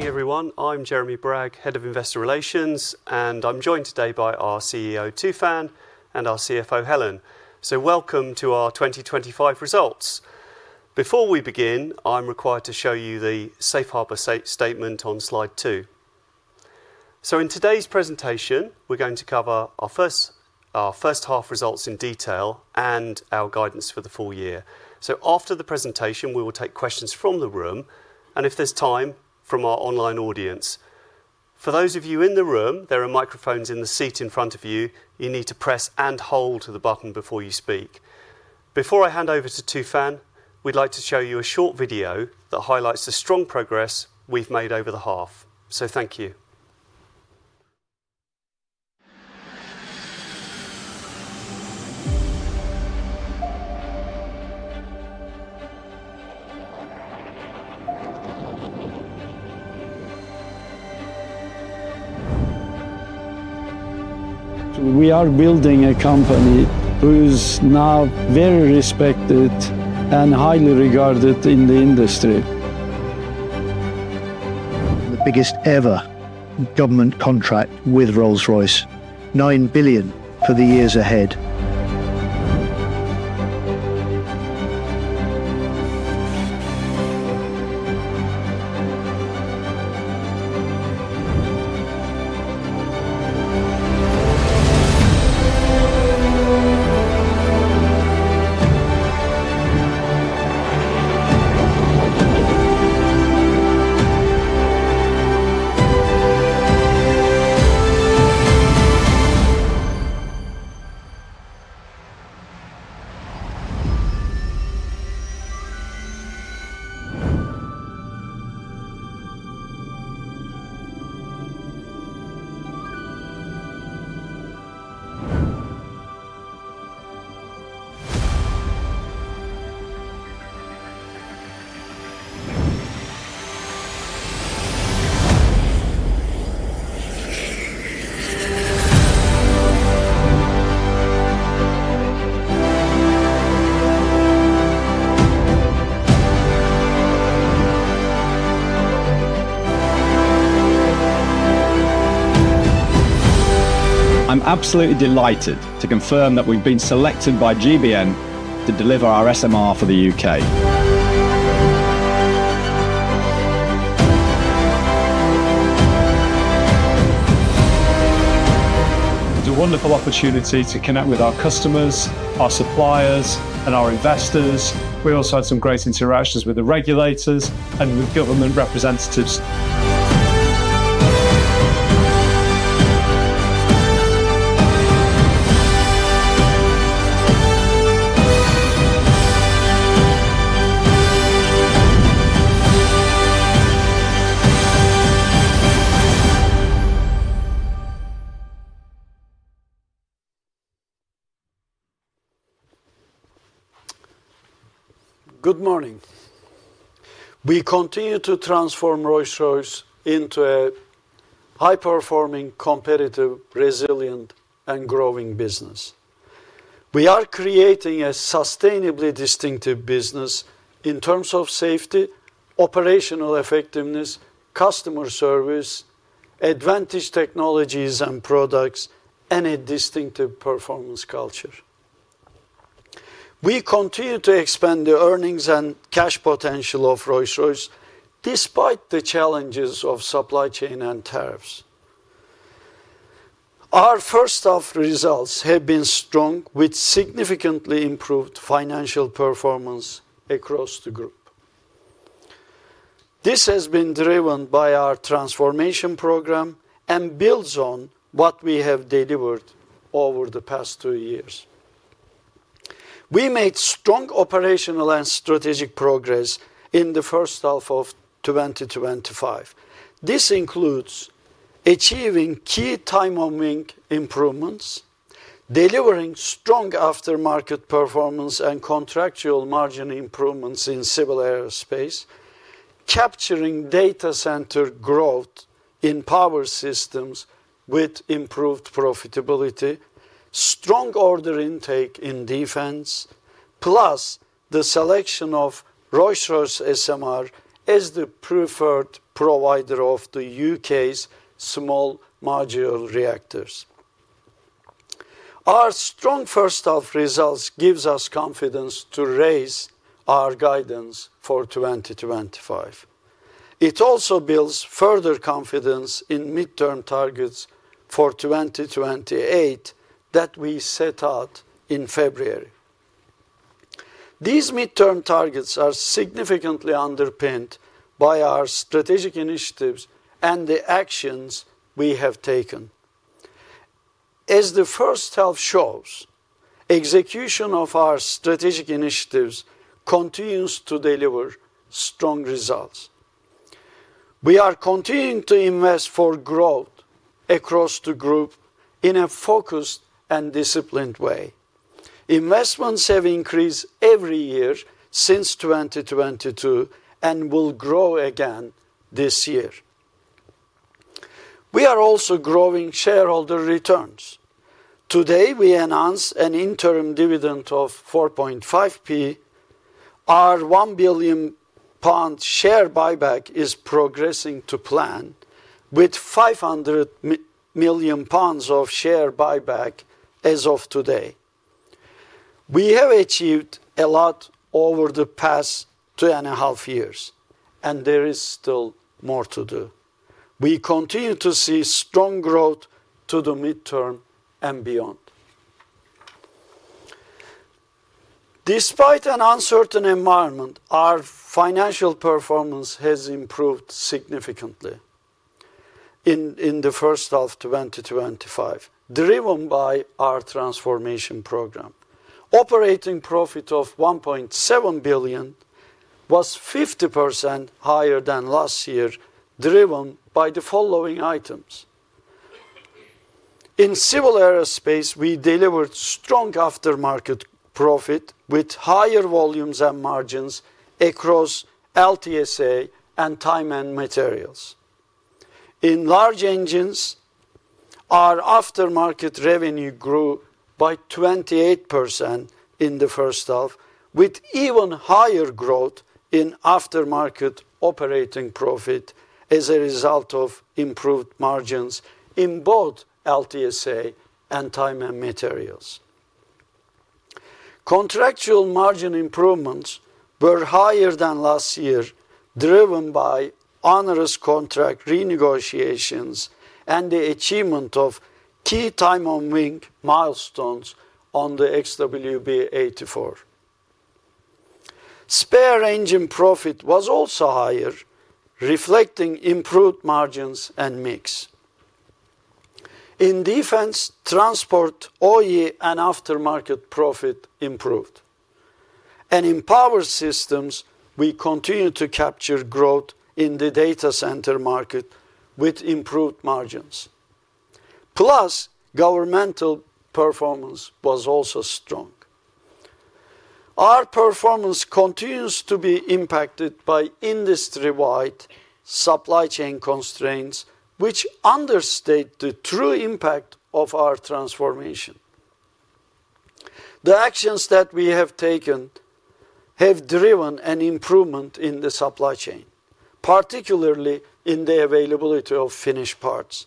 Good morning, everyone. I'm Jeremy Bragg, Head of Investor Relations, and I'm joined today by our CEO Tufan and our CFO Helen. Welcome to our 2025 results. Before we begin, I'm required to show you the Safe Harbor statement on slide two. In today's presentation, we're going to cover our first half results in detail and our guidance for the full year. After the presentation, we will take questions from the room and, if there's time, from our online audience. For those of you in the room, there are microphones in the seat in front of you. You need to press and hold the button before you speak. Before I hand over to Tufan, we'd like to show you a short video that highlights the strong progress we've made over the half. Thank you. We are building a company who is now very respected and highly regarded in the industry. The biggest ever government contract with Rolls-Royce, 9 billion for the years ahead. I'm absolutely delighted to confirm that we've been selected by GBN to deliver our SMR for the U.K. It's a wonderful opportunity to connect with our customers, our suppliers, and our investors. We also had some great interactions with the regulators and with government representatives. Good morning. We continue to transform Rolls-Royce into a high-performing, competitive, resilient, and growing business. We are creating a sustainably distinctive business in terms of safety, operational effectiveness, customer service, advanced technologies and products, and a distinctive performance culture. We continue to expand the earnings and cash potential of Rolls-Royce despite the challenges of supply chain and tariffs. Our first-half results have been strong, with significantly improved financial performance across the group. This has been driven by our transformation program and builds on what we have delivered over the past two years. We made strong operational and strategic progress in the first half of 2025. This includes achieving key Time-on-Wing improvements, delivering strong aftermarket performance and contractual margin improvements in Civil Aerospace, capturing data center growth in Power Systems with improved profitability, strong order intake in Defence, plus the selection of Rolls-Royce SMR as the preferred provider of the U.K.'s Small Modular Reactors. Our strong first-half results give us confidence to raise our guidance for 2025. It also builds further confidence in midterm targets for 2028 that we set out in February. These midterm targets are significantly underpinned by our strategic initiatives and the actions we have taken. As the first half shows, execution of our strategic initiatives continues to deliver strong results. We are continuing to invest for growth across the group in a focused and disciplined way. Investments have increased every year since 2022 and will grow again this year. We are also growing shareholder returns. Today, we announced an interim dividend of 0.045. Our 1 billion pound share buyback is progressing to plan, with 500 million pounds of share buyback as of today. We have achieved a lot over the past two and a half years, and there is still more to do. We continue to see strong growth to the midterm and beyond. Despite an uncertain environment, our financial performance has improved significantly. In the first half of 2025, driven by our transformation program, operating profit of 1.7 billion was 50% higher than last year, driven by the following items. In Civil Aerospace, we delivered strong aftermarket profit with higher volumes and margins across LTSA and time and materials. In large engines. Our aftermarket revenue grew by 28% in the first half, with even higher growth in aftermarket operating profit as a result of improved margins in both LTSA and time and materials. Contractual margin improvements were higher than last year, driven by onerous contract renegotiations and the achievement of key Time-on-Wing milestones on the XWB-84. Spare engine profit was also higher, reflecting improved margins and mix. In Defence, transport, OE, and aftermarket profit improved. In Power Systems, we continue to capture growth in the data center market with improved margins. Governmental performance was also strong. Our performance continues to be impacted by industry-wide supply chain constraints, which understate the true impact of our transformation. The actions that we have taken have driven an improvement in the supply chain, particularly in the availability of finished parts,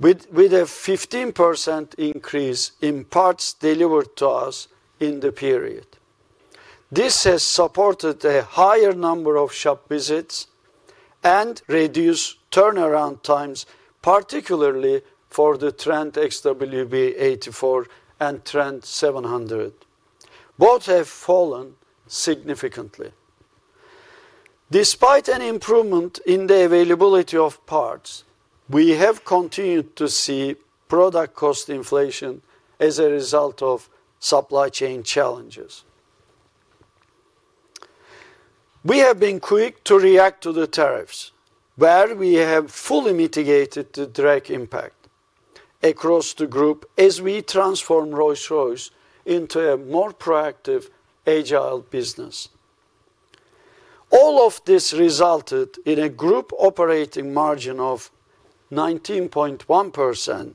with a 15% increase in parts delivered to us in the period. This has supported a higher number of shop visits and reduced turnaround times, particularly for the Trent XWB-84 and Trent 700. Both have fallen significantly. Despite an improvement in the availability of parts, we have continued to see product cost inflation as a result of supply chain challenges. We have been quick to react to the tariffs, where we have fully mitigated the direct impact across the group as we transform Rolls-Royce into a more proactive, agile business. All of this resulted in a group operating margin of 19.1%,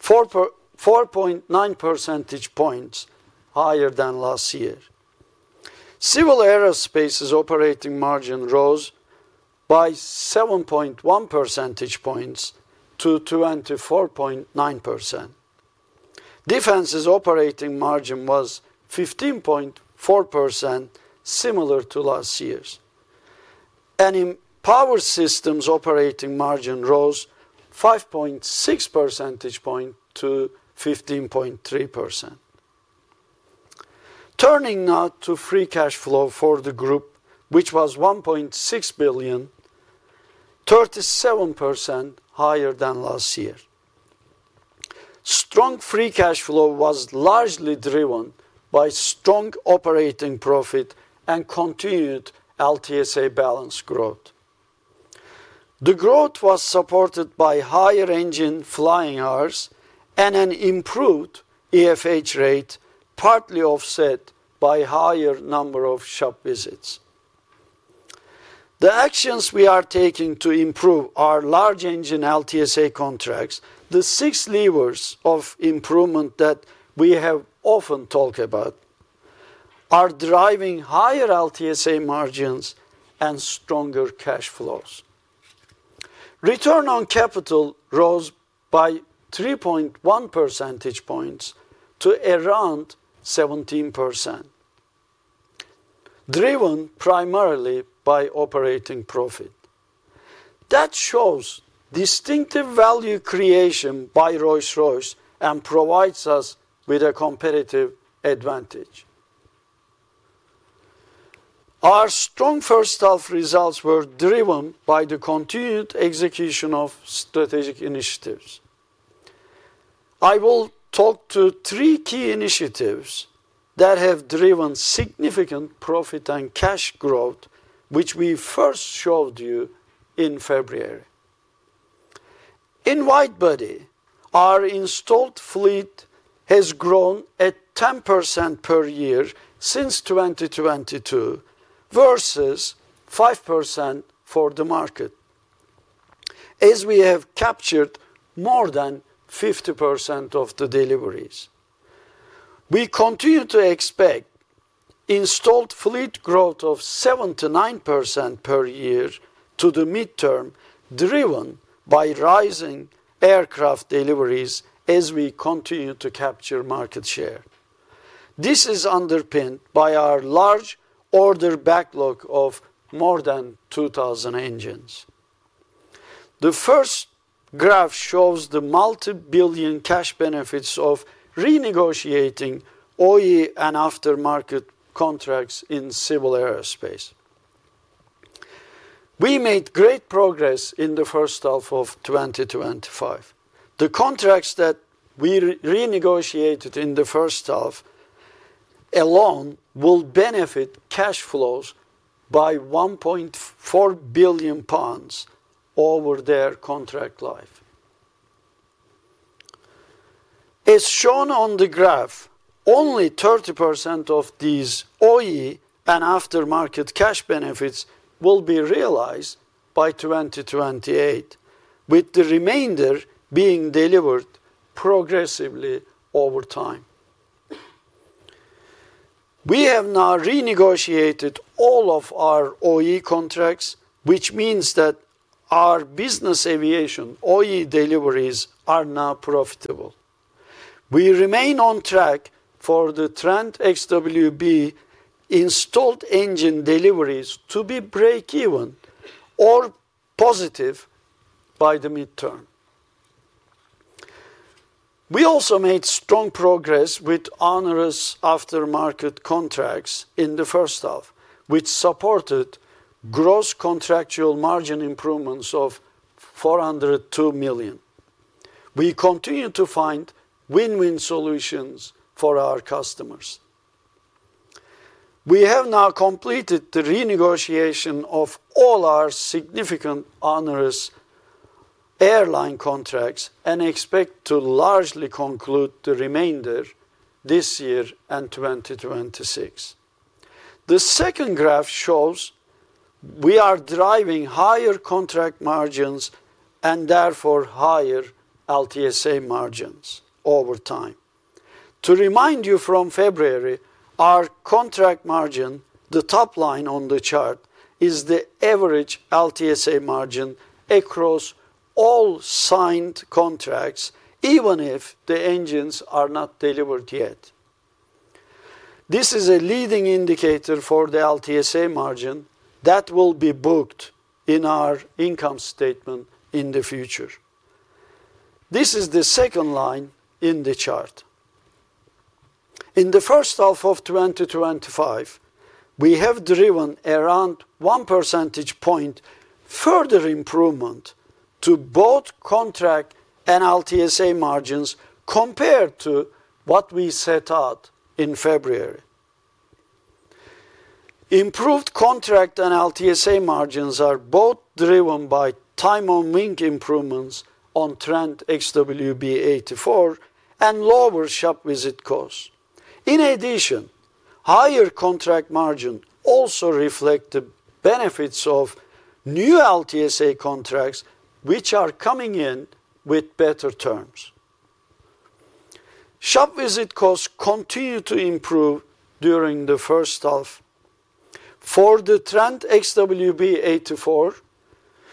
4.9 percentage points higher than last year. Civil Aerospace's operating margin rose by 7.1 percentage points to 24.9%. Defence's operating margin was 15.4%, similar to last year's. In Power Systems, operating margin rose 5.6 percentage points to 15.3%. Turning now to free cash flow for the group, which was 1.6 billion, 37% higher than last year. Strong free cash flow was largely driven by strong operating profit and continued LTSA balance growth. The growth was supported by higher Engine Flying Hours and an improved EFH rate, partly offset by a higher number of shop visits. The actions we are taking to improve our large engine LTSA contracts, the six levers of improvement that we have often talked about, are driving higher LTSA margins and stronger cash flows. Return on capital rose by 3.1 percentage points to around 17%, driven primarily by operating profit. That shows distinctive value creation by Rolls-Royce and provides us with a competitive advantage. Our strong first-half results were driven by the continued execution of strategic initiatives. I will talk to three key initiatives that have driven significant profit and cash growth, which we first showed you in February. In Widebody, our installed fleet has grown at 10% per year since 2022 versus 5% for the market, as we have captured more than 50% of the deliveries. We continue to expect installed fleet growth of 7% to 9% per year to the midterm, driven by rising aircraft deliveries as we continue to capture market share. This is underpinned by our large order backlog of more than 2,000 engines. The first graph shows the multi-billion cash benefits of renegotiating OE and aftermarket contracts in Civil Aerospace. We made great progress in the first half of 2025. The contracts that we renegotiated in the first half alone will benefit cash flows by 1.4 billion pounds over their contract life. As shown on the graph, only 30% of these OE and aftermarket cash benefits will be realized by 2028, with the remainder being delivered progressively over time. We have now renegotiated all of our OE contracts, which means that our business aviation OE deliveries are now profitable. We remain on track for the Trent XWB installed engine deliveries to be break-even or positive by the midterm. We also made strong progress with onerous aftermarket contracts in the first half, which supported gross contractual margin improvements of 402 million. We continue to find win-win solutions for our customers. We have now completed the renegotiation of all our significant onerous airline contracts and expect to largely conclude the remainder this year and 2026. The second graph shows we are driving higher contract margins and therefore higher LTSA margins over time. To remind you, from February, our contract margin, the top line on the chart, is the average LTSA margin across all signed contracts, even if the engines are not delivered yet. This is a leading indicator for the LTSA margin that will be booked in our income statement in the future. This is the second line in the chart. In the first half of 2025, we have driven around 1 percentage point further improvement to both contract and LTSA margins compared to what we set out in February. Improved contract and LTSA margins are both driven by Time-on-Wing improvements on Trent XWB-84 and lower shop visit costs. In addition, higher contract margin also reflects the benefits of. New LTSA contracts, which are coming in with better terms. Shop visit costs continue to improve during the first half for the Trent XWB-84.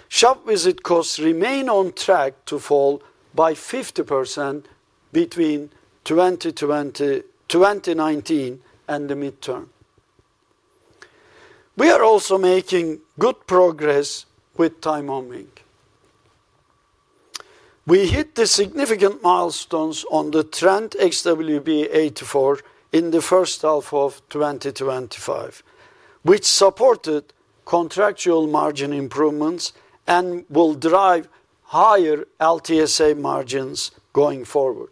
Shop visit costs remain on track to fall by 50% between 2019 and the midterm. We are also making good progress with Time-on-Wing. We hit the significant milestones on the Trent XWB-84 in the first half of 2025, which supported contractual margin improvements and will drive higher LTSA margins going forward.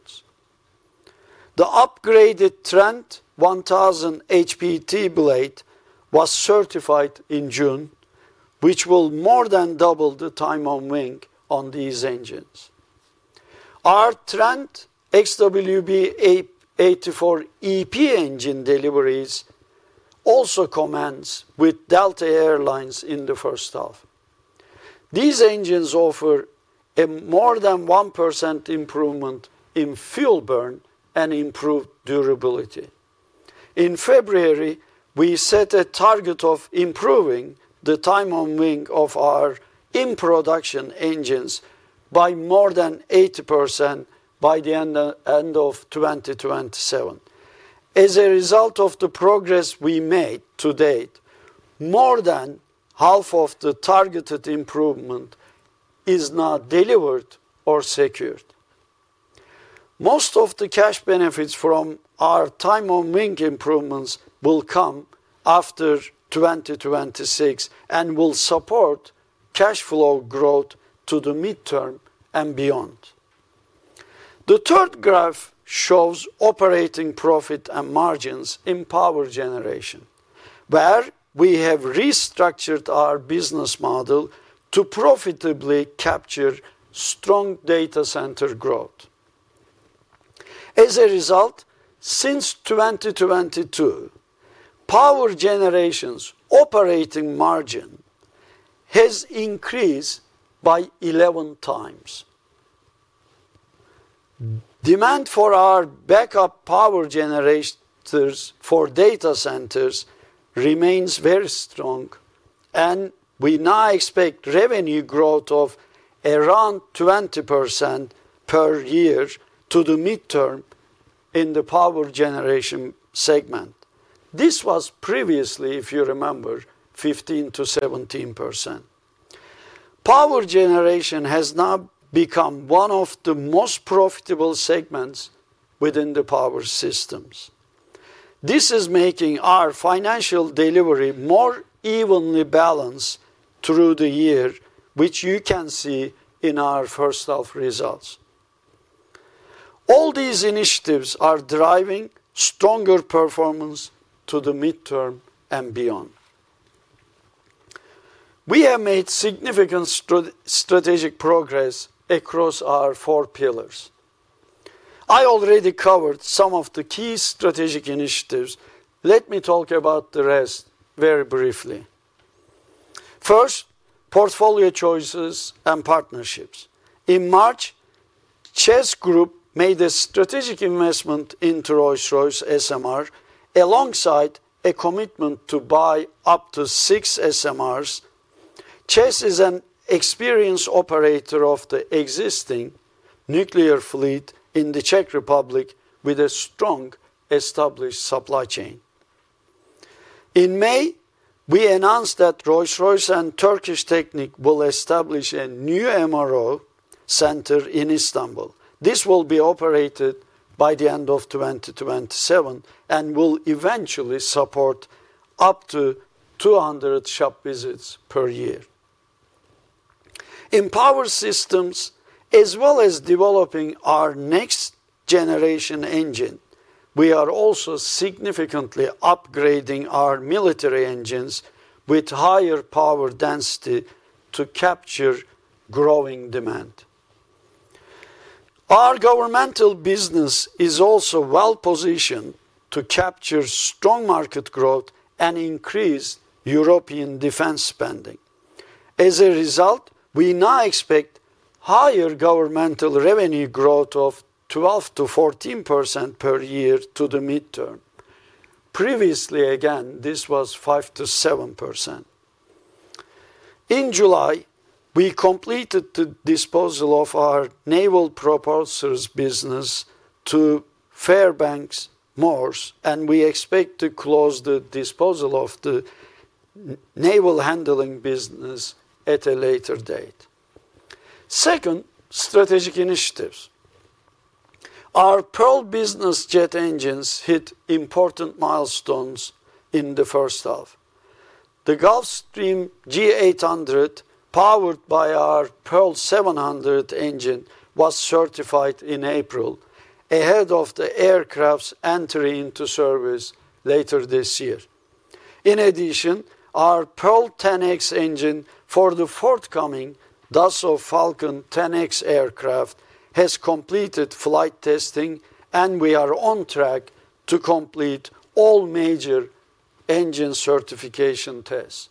The upgraded Trent 1000 HPT blade was certified in June, which will more than double the Time-on-Wing on these engines. Our Trent XWB-84 EP engine deliveries also commenced with Delta Air Lines in the first half. These engines offer a more than 1% improvement in fuel burn and improved durability. In February, we set a target of improving the Time-on-Wing of our in-production engines by more than 80% by the end of 2027. As a result of the progress we made to date, more than half of the targeted improvement is now delivered or secured. Most of the cash benefits from our Time-on-Wing improvements will come after 2026 and will support cash flow growth to the midterm and beyond. The third graph shows operating profit and margins in power generation, where we have restructured our business model to profitably capture strong data center growth. As a result, since 2022, power generation's operating margin has increased by 11 times. Demand for our backup power generators for data centers remains very strong, and we now expect revenue growth of around 20% per year to the midterm in the power generation segment. This was previously, if you remember, 15% to 17%. Power generation has now become one of the most profitable segments within Power Systems. This is making our financial delivery more evenly balanced through the year, which you can see in our first-half results. All these initiatives are driving stronger performance to the midterm and beyond. We have made significant strategic progress across our four pillars. I already covered some of the key strategic initiatives. Let me talk about the rest very briefly. First, portfolio choices and partnerships. In March, CEZ Group made a strategic investment into Rolls-Royce SMR alongside a commitment to buy up to six SMRs. CEZ is an experienced operator of the existing nuclear fleet in the Czech Republic with a strong established supply chain. In May, we announced that Rolls-Royce and Turkish Technic will establish a new MRO center in Istanbul. This will be operated by the end of 2027 and will eventually support up to 200 shop visits per year. In Power Systems, as well as developing our next-generation engine, we are also significantly upgrading our military engines with higher power density to capture growing demand. Our governmental business is also well-positioned to capture strong market growth and increase European defense spending. As a result, we now expect higher governmental revenue growth of 12% to 14% per year to the midterm. Previously, this was 5% to 7%. In July, we completed the disposal of our naval propulsors business to Fairbanks Morse, and we expect to close the disposal of the naval handling business at a later date. Second, strategic initiatives. Our Pearl business jet engines hit important milestones in the first half. The Gulfstream G800, powered by our Pearl 700 engine, was certified in April ahead of the aircraft's entry into service later this year. In addition, our Pearl 10X engine for the forthcoming Dassault Falcon 10X aircraft has completed flight testing, and we are on track to complete all major engine certification tests.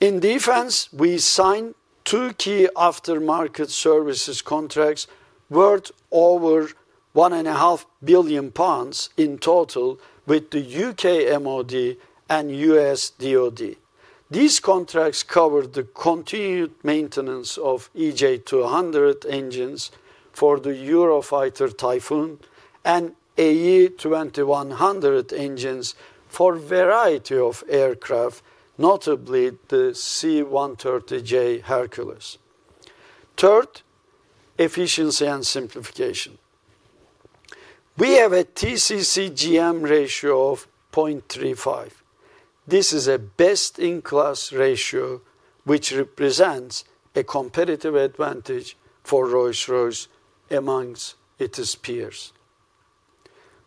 In Defence, we signed two key aftermarket services contracts worth over 1.5 billion pounds in total with the U.K. MoD and U.S. DoD. These contracts covered the continued maintenance of EJ200 engines for the Eurofighter Typhoon and AE2100 engines for a variety of aircraft, notably the C-130J Hercules. Third, efficiency and simplification. We have a TCC/GM ratio of 0.35. This is a best-in-class ratio, which represents a competitive advantage for Rolls-Royce amongst its peers.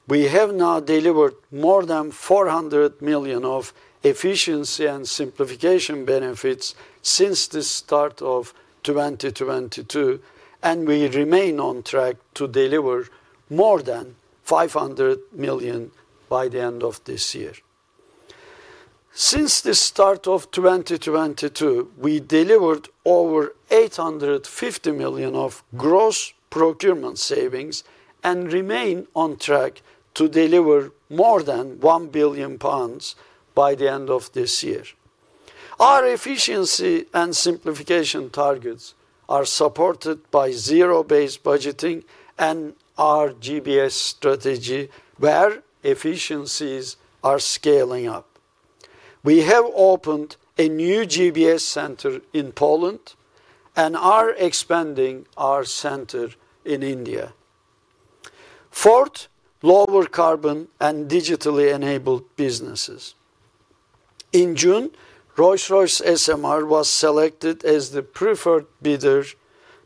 We have now delivered more than 400 million of efficiency and simplification benefits since the start of 2022, and we remain on track to deliver more than 500 million by the end of this year. Since the start of 2022, we delivered over 850 million of gross procurement savings and remain on track to deliver more than 1 billion pounds by the end of this year. Our efficiency and simplification targets are supported by zero-based budgeting and our GBS strategy, where efficiencies are scaling up. We have opened a new GBS center in Poland and are expanding our center in India. Fourth, lower carbon and digitally enabled businesses. In June, Rolls-Royce SMR was selected as the preferred bidder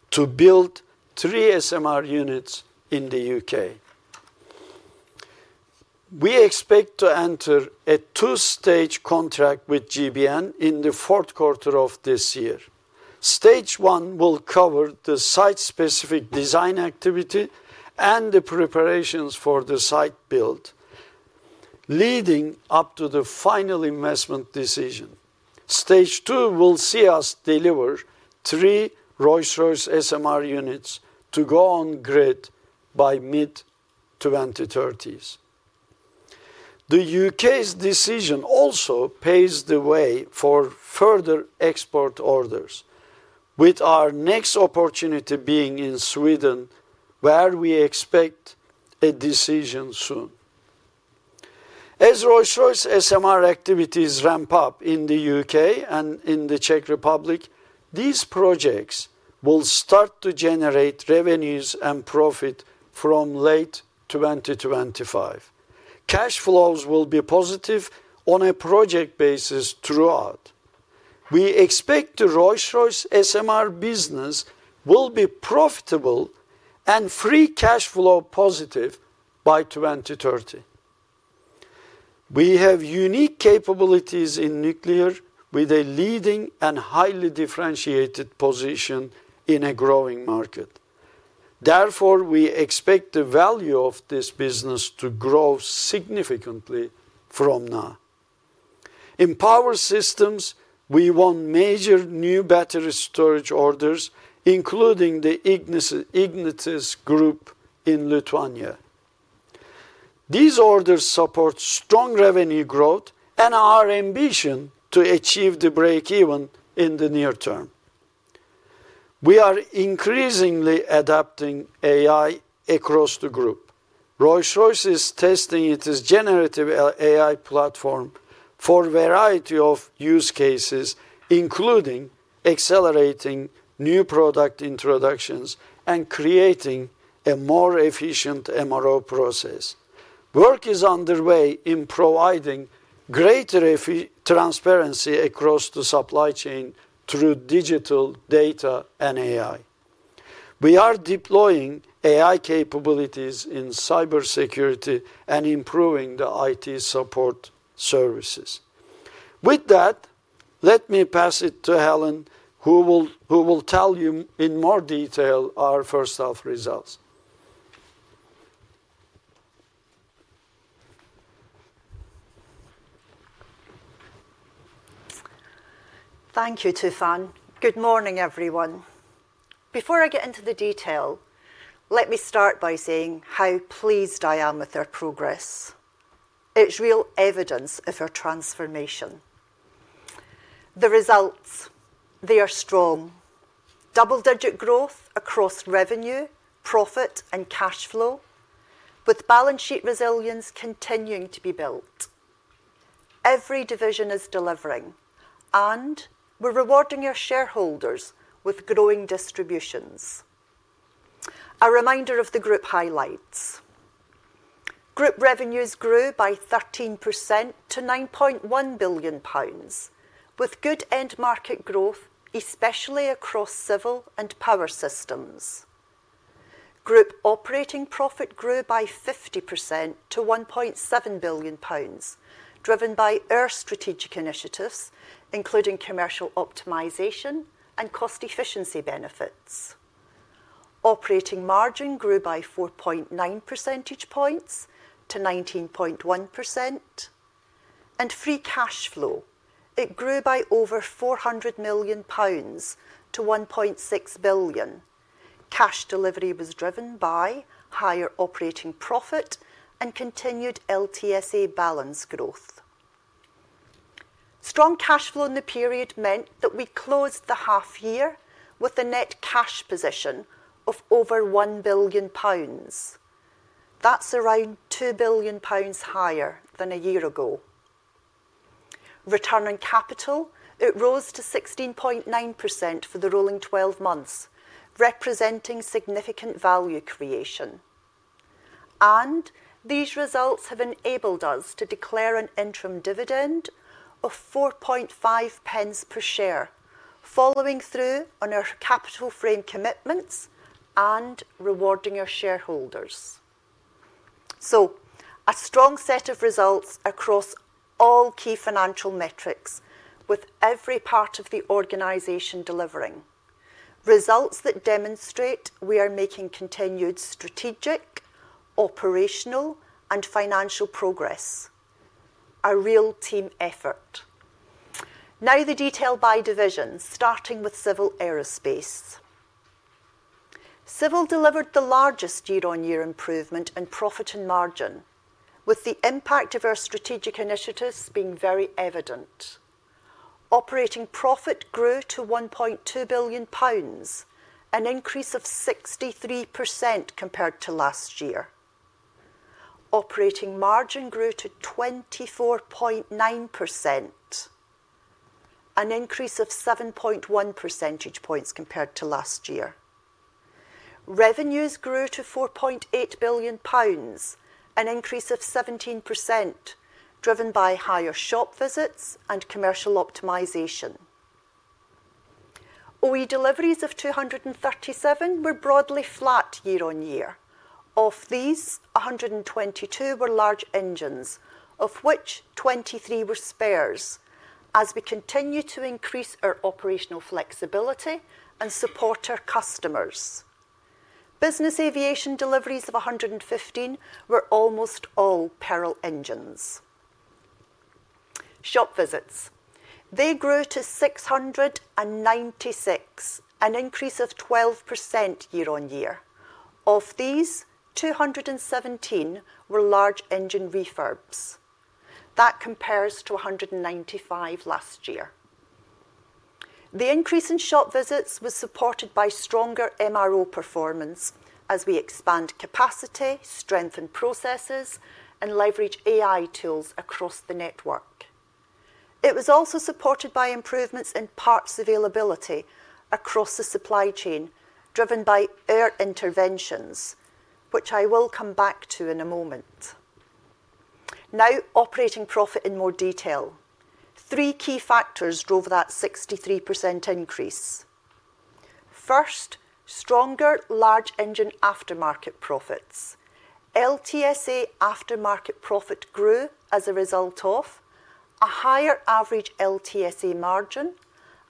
to build three SMR units in the U.K. We expect to enter a two-stage contract with GBN in the fourth quarter of this year. Stage one will cover the site-specific design activity and the preparations for the site build, leading up to the final investment decision. Stage two will see us deliver three Rolls-Royce SMR units to go on grid by mid-2030s. The U.K.'s decision also paves the way for further export orders, with our next opportunity being in Sweden, where we expect a decision soon. As Rolls-Royce SMR activities ramp up in the UK and in the Czech Republic, these projects will start to generate revenues and profit from late 2025. Cash flows will be positive on a project basis throughout. We expect the Rolls-Royce SMR business will be profitable and free cash flow positive by 2030. We have unique capabilities in nuclear, with a leading and highly differentiated position in a growing market. Therefore, we expect the value of this business to grow significantly from now. In Power Systems, we won major new battery energy storage orders, including the Ignitis Group in Lithuania. These orders support strong revenue growth and our ambition to achieve break-even in the near term. We are increasingly adopting AI across the group. Rolls-Royce is testing its generative AI platform for a variety of use cases, including accelerating new product introductions and creating a more efficient MRO process. Work is underway in providing greater transparency across the supply chain through digital data and AI. We are deploying AI capabilities in cybersecurity and improving the IT support services. With that, let me pass it to Helen, who will tell you in more detail our first-half results. Thank you, Tufan. Good morning, everyone. Before I get into the detail, let me start by saying how pleased I am with our progress. It's real evidence of our transformation. The results, they are strong. Double-digit growth across revenue, profit, and cash flow, with balance sheet resilience continuing to be built. Every division is delivering, and we're rewarding our shareholders with growing distributions. A reminder of the group highlights. Group revenues grew by 13% to 9.1 billion pounds, with good end-market growth, especially across Civil Aerospace and Power Systems. Group operating profit grew by 50% to 1.7 billion pounds, driven by our strategic initiatives, including commercial optimization and cost-efficiency benefits. Operating margin grew by 4.9 percentage points to 19.1%. Free cash flow grew by over 400 million pounds to 1.6 billion. Cash delivery was driven by higher operating profit and continued LTSA balance growth. Strong cash flow in the period meant that we closed the half year with a net cash position of over 1 billion pounds. That's around 2 billion pounds higher than a year ago. Returning capital, it rose to 16.9% for the rolling 12 months, representing significant value creation. These results have enabled us to declare an interim dividend of 4.50 per share, following through on our capital frame commitments and rewarding our shareholders. A strong set of results across all key financial metrics, with every part of the organization delivering. Results that demonstrate we are making continued strategic, operational, and financial progress. A real team effort. Now the detail by divisions, starting with Civil Aerospace. Civil delivered the largest year-on-year improvement in profit and margin, with the impact of our strategic initiatives being very evident. Operating profit grew to 1.2 billion pounds, an increase of 63% compared to last year. Operating margin grew to 24.9%, an increase of 7.1 percentage points compared to last year. Revenues grew to 4.8 billion pounds, an increase of 17%, driven by higher shop visits and commercial optimization. OE deliveries of 237 were broadly flat year-on-year. Of these, 122 were large engines, of which 23 were spares, as we continue to increase our operational flexibility and support our customers. Business aviation deliveries of 115 were almost all Pearl engines. Shop visits grew to 696, an increase of 12% year-on-year. Of these, 217 were large engine refurbs. That compares to 195 last year. The increase in shop visits was supported by stronger MRO performance as we expand capacity, strengthen processes, and leverage AI tools across the network. It was also supported by improvements in parts availability across the supply chain, driven by our interventions, which I will come back to in a moment. Now, operating profit in more detail. Three key factors drove that 63% increase. First, stronger large engine aftermarket profits. LTSA aftermarket profit grew as a result of a higher average LTSA margin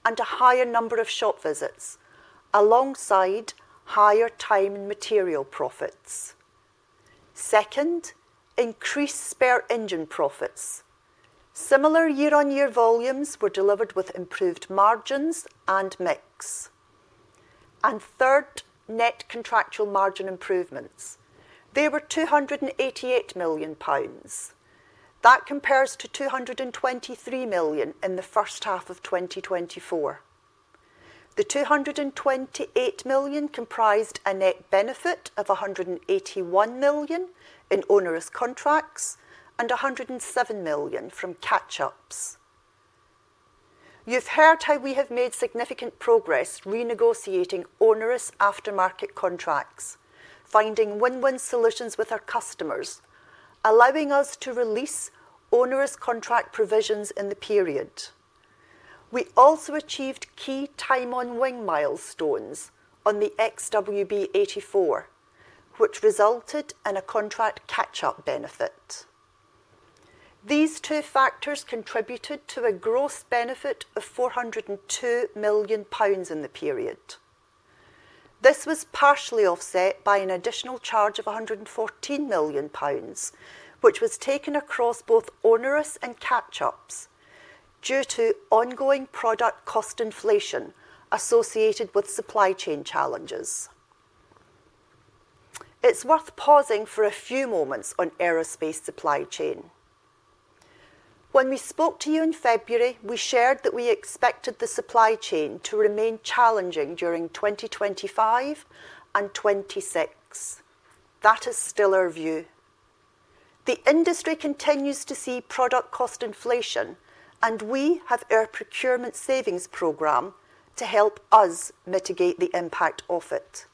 and a higher number of shop visits, alongside higher time and material profits. Second, increased spare engine profits. Similar year-on-year volumes were delivered with improved margins and mix. Third, net contractual margin improvements. They were 288 million pounds. That compares to 223 million in the first half of 2024. The 288 million comprised a net benefit of 181 million in onerous contracts and 107 million from catch-ups. You've heard how we have made significant progress renegotiating onerous aftermarket contracts, finding win-win solutions with our customers, allowing us to release onerous contract provisions in the period. We also achieved key Time-on-Wing milestones on the XWB-84, which resulted in a contract catch-up benefit. These two factors contributed to a gross benefit of 402 million pounds in the period. This was partially offset by an additional charge of 114 million pounds, which was taken across both onerous and catch-ups due to ongoing product cost inflation associated with supply chain challenges. It's worth pausing for a few moments on aerospace supply chain. When we spoke to you in February, we shared that we expected the supply chain to remain challenging during 2025 and 2026. That is still our view. The industry continues to see product cost inflation, and we have our procurement savings program to help us mitigate the impact of it.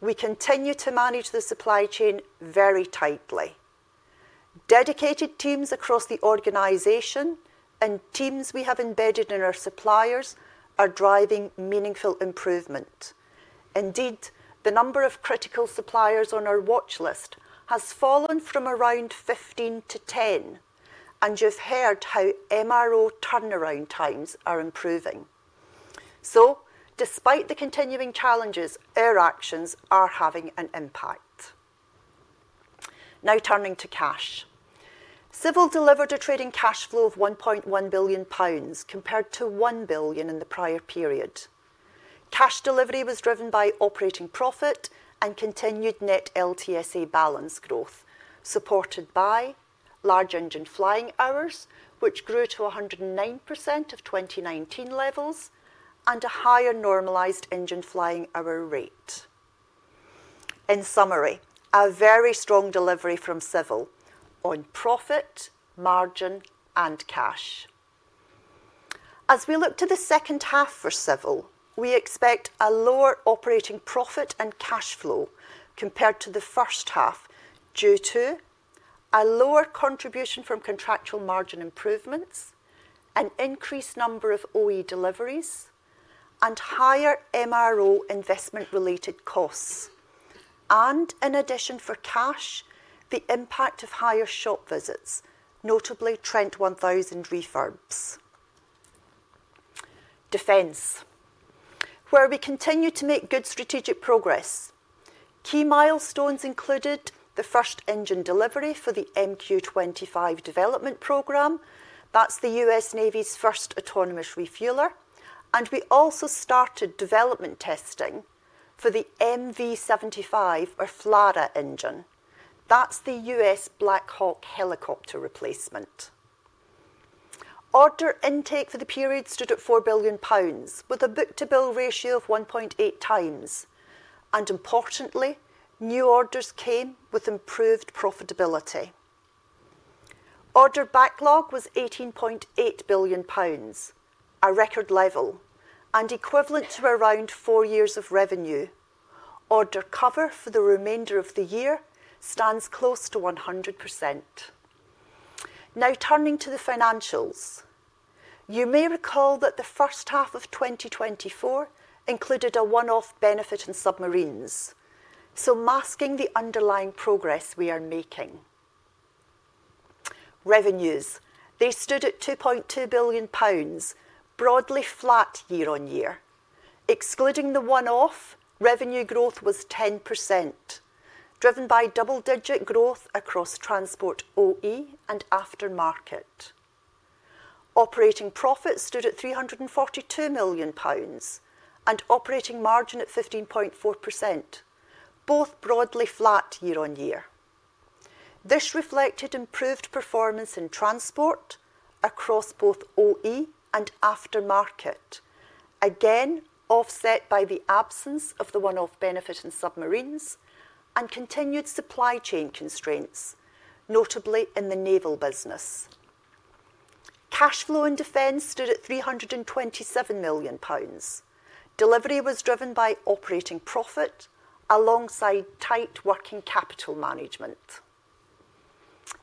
We continue to manage the supply chain very tightly. Dedicated teams across the organization and teams we have embedded in our suppliers are driving meaningful improvement. Indeed, the number of critical suppliers on our watch list has fallen from around 15 to 10, and you've heard how MRO turnaround times are improving. Despite the continuing challenges, our actions are having an impact. Now turning to cash. Civil delivered a trading cash flow of 1.1 billion pounds compared to 1 billion in the prior period. Cash delivery was driven by operating profit and continued net LTSA balance growth, supported by large Engine Flying Hours, which grew to 109% of 2019 levels and a higher normalized engine flying hour rate. In summary, a very strong delivery from Civil on profit, margin, and cash. As we look to the second half for Civil, we expect a lower operating profit and cash flow compared to the first half due to a lower contribution from contractual margin improvements, an increased number of OE deliveries, and higher MRO investment-related costs. In addition, for cash, the impact of higher shop visits, notably Trent 1000 refurbs. Defence, where we continue to make good strategic progress. Key milestones included the first engine delivery for the MQ-25 development program. That's the U.S. Navy's first autonomous refueler. We also started development testing for the MV-75, or Flata engine. That's the U.S. Black Hawk helicopter replacement. Order intake for the period stood at 4 billion pounds, with a Book-to-Bill Ratio of 1.8 times. Importantly, new orders came with improved profitability. Order backlog was 18.8 billion pounds, a record level and equivalent to around four years of revenue. Order cover for the remainder of the year stands close to 100%. Now turning to the financials. You may recall that the first half of 2024 included a one-off benefit in submarines, masking the underlying progress we are making. Revenues stood at 2.2 billion pounds, broadly flat year-on-year. Excluding the one-off, revenue growth was 10%, driven by double-digit growth across transport OE and aftermarket. Operating profit stood at 342 million pounds and operating margin at 15.4%, both broadly flat year-on-year. This reflected improved performance in transport across both OE and aftermarket, offset by the absence of the one-off benefit in submarines and continued supply chain constraints, notably in the naval business. Cash flow in Defence stood at 327 million pounds. Delivery was driven by operating profit alongside tight working capital management.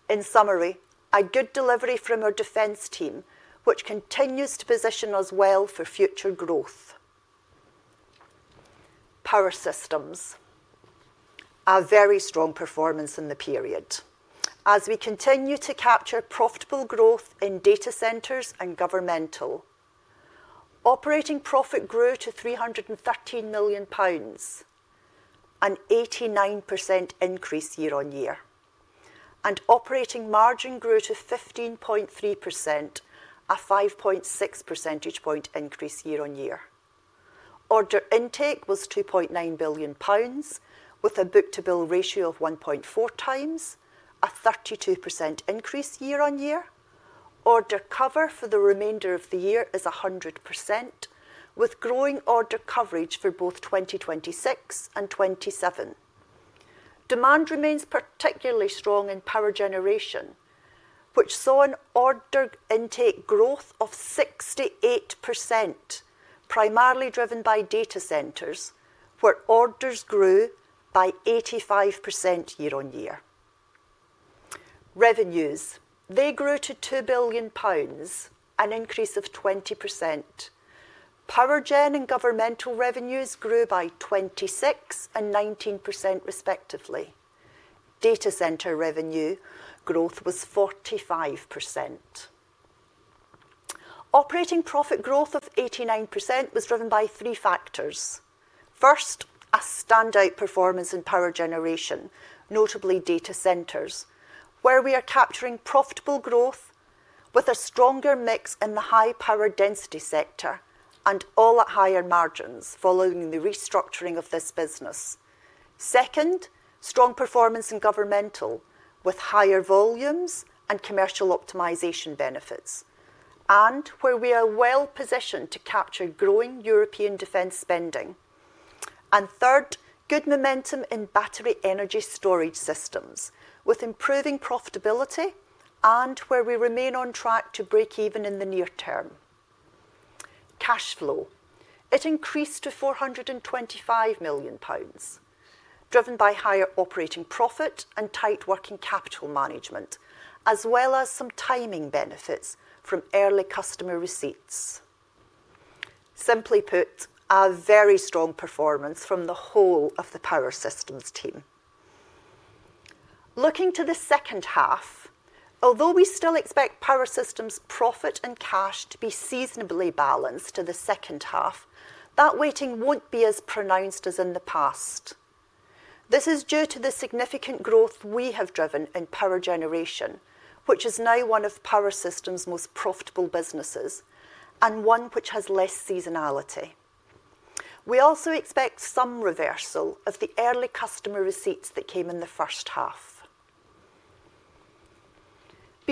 In summary, a good delivery from our Defence team, which continues to position us well for future growth. Power Systems delivered a very strong performance in the period as we continue to capture profitable growth in data centers and governmental. Operating profit grew to 313 million pounds, an 89% increase year-on-year, and operating margin grew to 15.3%, a 5.6 percentage point increase year-on-year. Order intake was 2.9 billion pounds, with a Book-to-Bill Ratio of 1.4 times, a 32% increase year-on-year. Order cover for the remainder of the year is 100%, with growing order coverage for both 2026 and 2027. Demand remains particularly strong in power generation, which saw an order intake growth of 68%, primarily driven by data centers, where orders grew by 85% year-on-year. Revenues grew to 2 billion pounds, an increase of 20%. Power generation and governmental revenues grew by 26% and 19%, respectively. Data center revenue growth was 45%. Operating profit growth of 89% was driven by three factors. First, a standout performance in power generation, notably data centers, where we are capturing profitable growth with a stronger mix in the high power density sector and all at higher margins following the restructuring of this business. Second, strong performance in governmental with higher volumes and commercial optimization benefits, and where we are well positioned to capture growing European defense spending. Third, good momentum in battery energy storage systems with improving profitability and where we remain on track to break even in the near term. Cash flow increased to 425 million pounds, driven by higher operating profit and tight working capital management, as well as some timing benefits from early customer receipts. Simply put, a very strong performance from the whole of the Power Systems team. Looking to the second half, although we still expect Power Systems profit and cash to be seasonally balanced to the second half, that weighting won't be as pronounced as in the past. This is due to the significant growth we have driven in power generation, which is now one of Power Systems' most profitable businesses and one which has less seasonality. We also expect some reversal of the early customer receipts that came in the first half.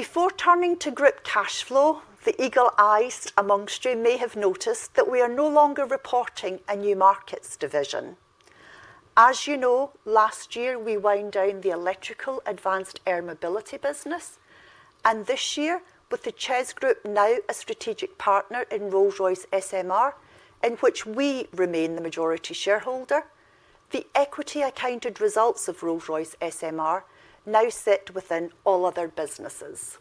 Before turning to group cash flow, the eagle-eyed amongst you may have noticed that we are no longer reporting a New Markets division. As you know, last year we wound down the electrical advanced air mobility business. This year, with CEZ Group now a strategic partner in Rolls-Royce SMR, in which we remain the majority shareholder, the equity accounted results of Rolls-Royce SMR now sit within all other businesses.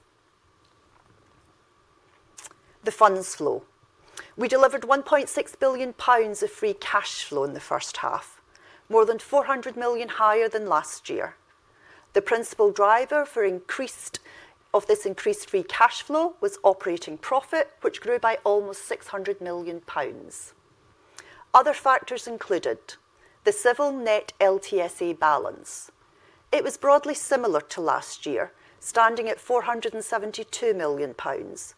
The funds flow, we delivered 1.6 billion pounds of free cash flow in the first half, more than 400 million higher than last year. The principal driver of this increased free cash flow was operating profit, which grew by almost 600 million pounds. Other factors included the Civil net LTSA balance. It was broadly similar to last year, standing at 472 million pounds.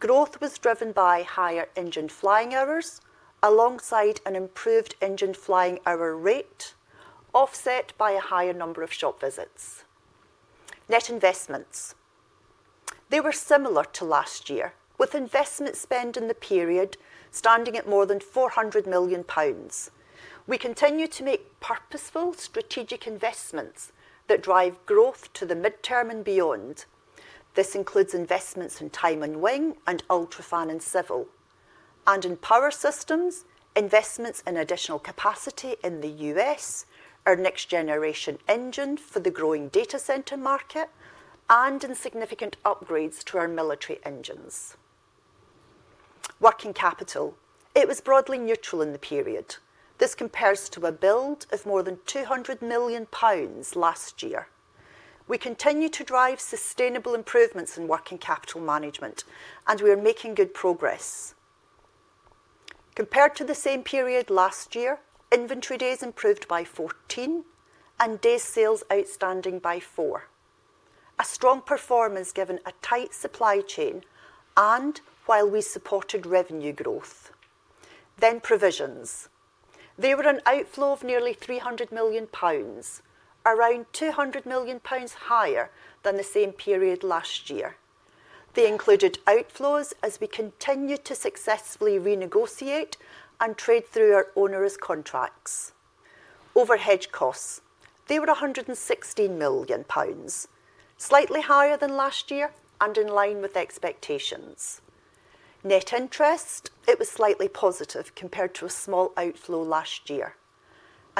Growth was driven by higher Engine Flying Hours alongside an improved engine flying hour rate, offset by a higher number of shop visits. Net investments were similar to last year, with investment spend in the period standing at more than 400 million pounds. We continue to make purposeful strategic investments that drive growth to the midterm and beyond. This includes investments in Time-on-Wing and UltraFan and Civil. In Power Systems, investments in additional capacity in the U.S., our next generation engine for the growing data center market, and in significant upgrades to our military engines. Working capital was broadly neutral in the period. This compares to a build of more than 200 million pounds last year. We continue to drive sustainable improvements in working capital management, and we are making good progress. Compared to the same period last year, inventory days improved by 14 and day sales outstanding by 4. A strong performance given a tight supply chain and while we supported revenue growth. Provisions were an outflow of nearly 300 million pounds, around 200 million pounds higher than the same period last year. They included outflows as we continued to successfully renegotiate and trade through our onerous contracts. Overhead costs were 116 million pounds, slightly higher than last year and in line with expectations. Net interest was slightly positive compared to a small outflow last year.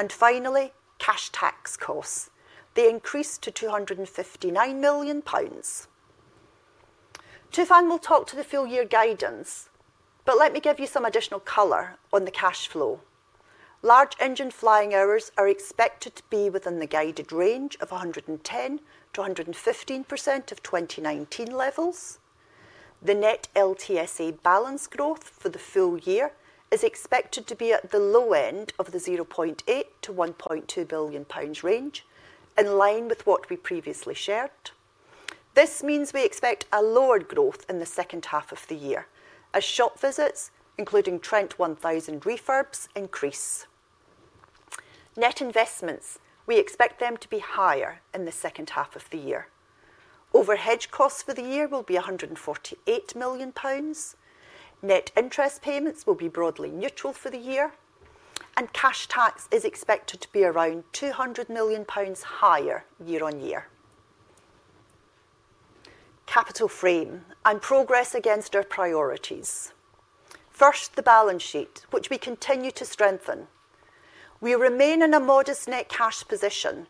Finally, cash tax costs increased to 259 million pounds. Tufan will talk to the full year guidance, but let me give you some additional color on the cash flow. Large Engine Flying Hours are expected to be within the guided range of 110% to 115% of 2019 levels. The net LTSA balance growth for the full year is expected to be at the low end of the 0.8 to 1.2 billion pounds range, in line with what we previously shared. This means we expect a lower growth in the second half of the year as shop visits, including Trent 1000 refurbs, increase. Net investments, we expect them to be higher in the second half of the year. Overhead costs for the year will be 148 million pounds. Net interest payments will be broadly neutral for the year, and cash tax is expected to be around 200 million pounds higher year-on-year. Capital frame and progress against our priorities. First, the balance sheet, which we continue to strengthen. We remain in a modest net cash position.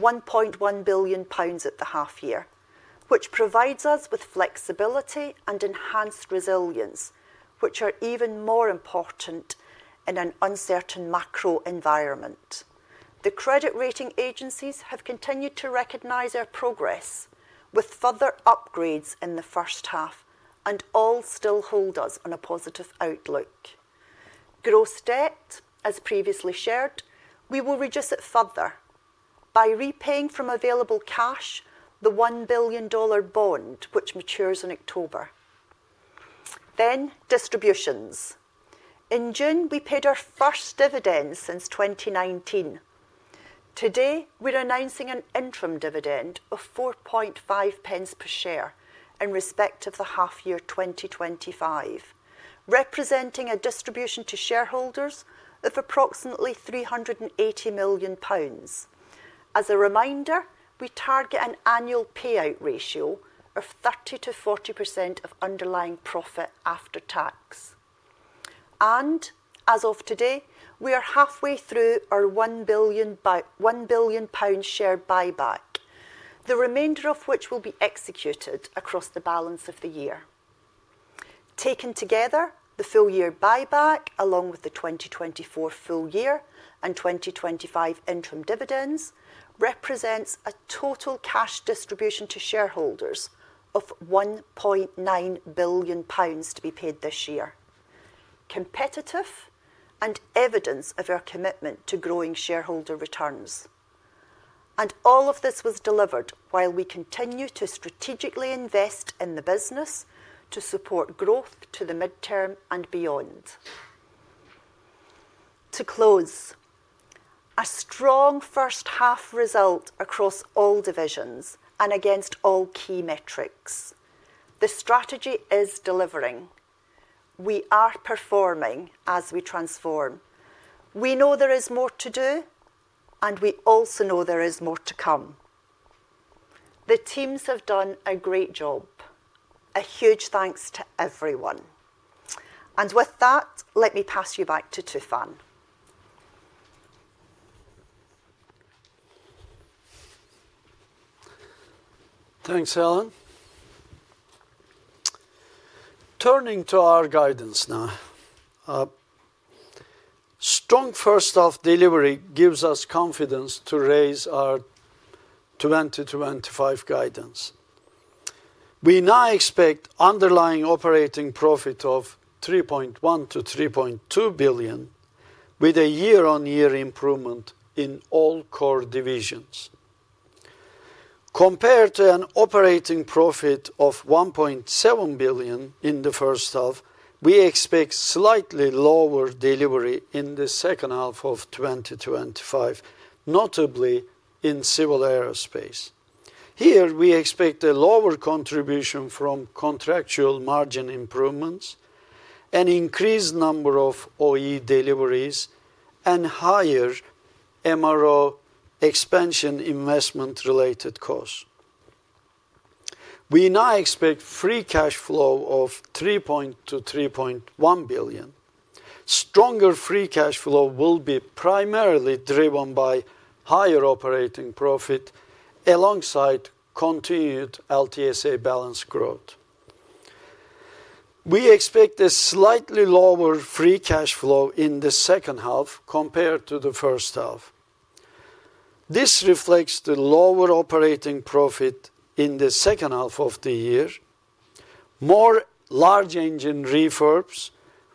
1.1 billion pounds at the half year, which provides us with flexibility and enhanced resilience, which are even more important in an uncertain macro environment. The credit rating agencies have continued to recognize our progress with further upgrades in the first half and all still hold us on a positive outlook. Gross debt, as previously shared, we will reduce it further by repaying from available cash the $1 billion bond, which matures in October. Distributions: In June, we paid our first dividend since 2019. Today, we're announcing an interim dividend of 0.045 per share in respect of the half year 2025, representing a distribution to shareholders of approximately 380 million pounds. As a reminder, we target an annual payout ratio of 30% to 40% of underlying profit after tax. As of today, we are halfway through our 1 billion pound share buyback, the remainder of which will be executed across the balance of the year. Taken together, the full year buyback, along with the 2024 full year and 2025 interim dividends, represents a total cash distribution to shareholders of 1.9 billion pounds to be paid this year. Competitive and evidence of our commitment to growing shareholder returns. All of this was delivered while we continue to strategically invest in the business to support growth to the midterm and beyond. To close, a strong first half result across all divisions and against all key metrics. The strategy is delivering. We are performing as we transform. We know there is more to do, and we also know there is more to come. The teams have done a great job. A huge thanks to everyone. With that, let me pass you back to Tufan. Thanks, Helen. Turning to our guidance now. Strong first half delivery gives us confidence to raise our 2025 guidance. We now expect underlying operating profit of 3.1 to 3.2 billion, with a year-on-year improvement in all core divisions. Compared to an operating profit of 1.7 billion in the first half, we expect slightly lower delivery in the second half of 2025, notably in Civil Aerospace. Here, we expect a lower contribution from contractual margin improvements, an increased number of OE deliveries, and higher MRO expansion investment-related costs. We now expect free cash flow of 3.1 to 3.1 billion. Stronger free cash flow will be primarily driven by higher operating profit alongside continued LTSA balance growth. We expect a slightly lower free cash flow in the second half compared to the first half. This reflects the lower operating profit in the second half of the year, more large engine refurbs,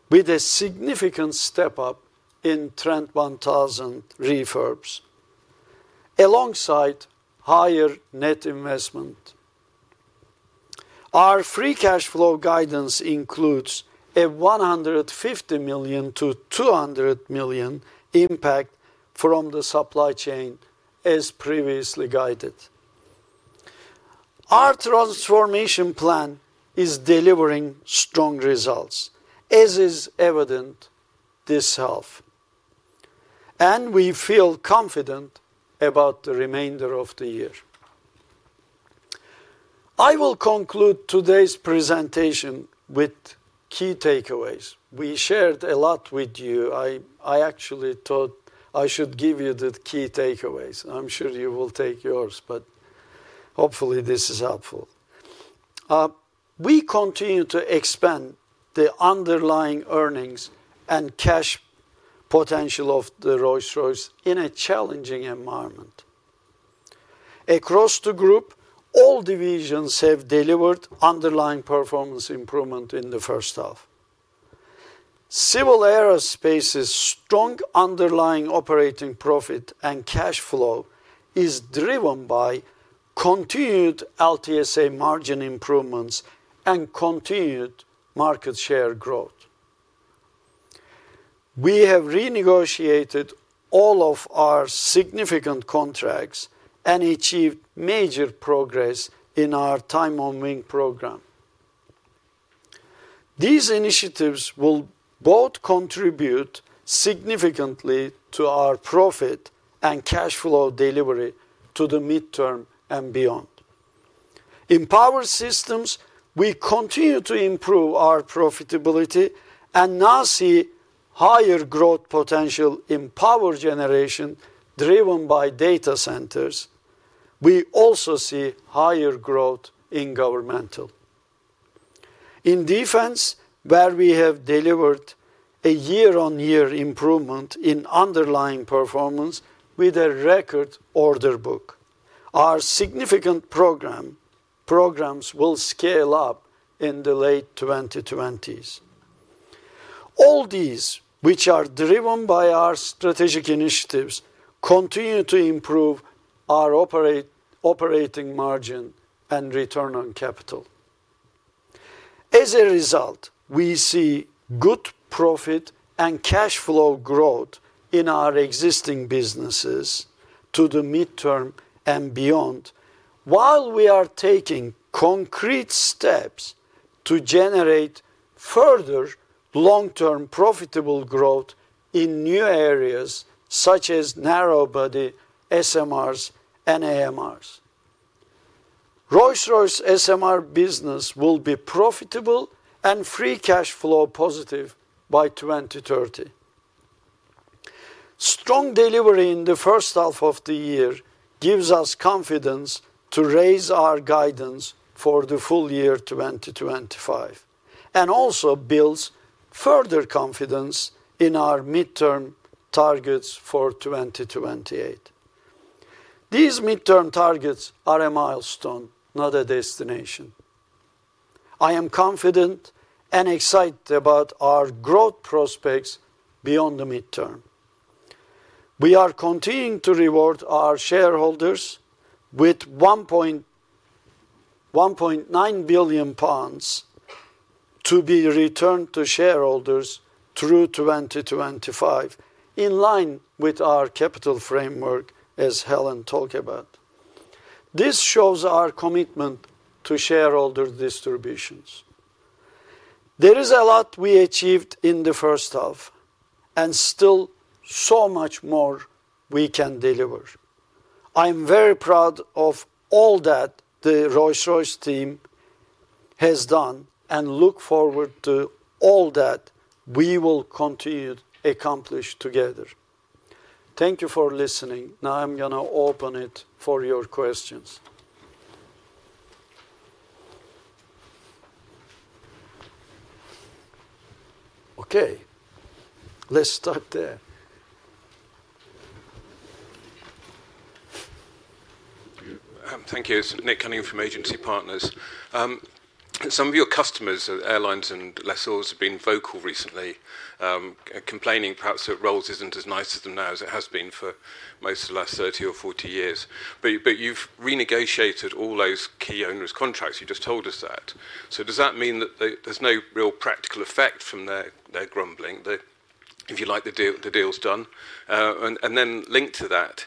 with a significant step up in Trent 1000 refurbs, alongside higher net investment. Our free cash flow guidance includes a 150 million to 200 million impact from the supply chain, as previously guided. Our transformation plan is delivering strong results, as is evident this half, and we feel confident about the remainder of the year. I will conclude today's presentation with key takeaways. We shared a lot with you. I actually thought I should give you the key takeaways. I'm sure you will take yours, but hopefully this is helpful. We continue to expand the underlying earnings and cash potential of Rolls-Royce in a challenging environment. Across the group, all divisions have delivered underlying performance improvement in the first half. Civil Aerospace's strong underlying operating profit and cash flow is driven by. Continued LTSA margin improvements and continued market share growth. We have renegotiated all of our significant contracts and achieved major progress in our Time-on-Wing program. These initiatives will both contribute significantly to our profit and cash flow delivery to the midterm and beyond. In Power Systems, we continue to improve our profitability and now see higher growth potential in power generation driven by data centers. We also see higher growth in governmental. In Defence, where we have delivered a year-on-year improvement in underlying performance with a record order book, our significant program. Programs will scale up in the late 2020s. All these, which are driven by our strategic initiatives, continue to improve our operating margin and return on capital. As a result, we see good profit and cash flow growth in our existing businesses to the midterm and beyond, while we are taking concrete steps to generate further long-term profitable growth in new areas such as narrow-body SMRs and AMRs. Rolls-Royce SMR business will be profitable and free cash flow positive by 2030. Strong delivery in the first half of the year gives us confidence to raise our guidance for the full year 2025 and also builds further confidence in our midterm targets for 2028. These midterm targets are a milestone, not a destination. I am confident and excited about our growth prospects beyond the midterm. We are continuing to reward our shareholders with 1.9 billion pounds to be returned to shareholders through 2025, in line with our capital framework, as Helen talked about. This shows our commitment to shareholder distributions. There is a lot we achieved in the first half and still so much more we can deliver. I'm very proud of all that the Rolls-Royce team has done and look forward to all that we will continue to accomplish together. Thank you for listening. Now I'm going to open it for your questions. Okay. Let's start there. Thank you. Nick Cunningham from Agency Partners. Some of your customers, airlines and lessors, have been vocal recently, complaining perhaps that Rolls isn't as nice to them now as it has been for most of the last 30 or 40 years. You've renegotiated all those key owners' contracts. You just told us that. Does that mean that there's no real practical effect from their grumbling? If you like, the deal's done. Linked to that.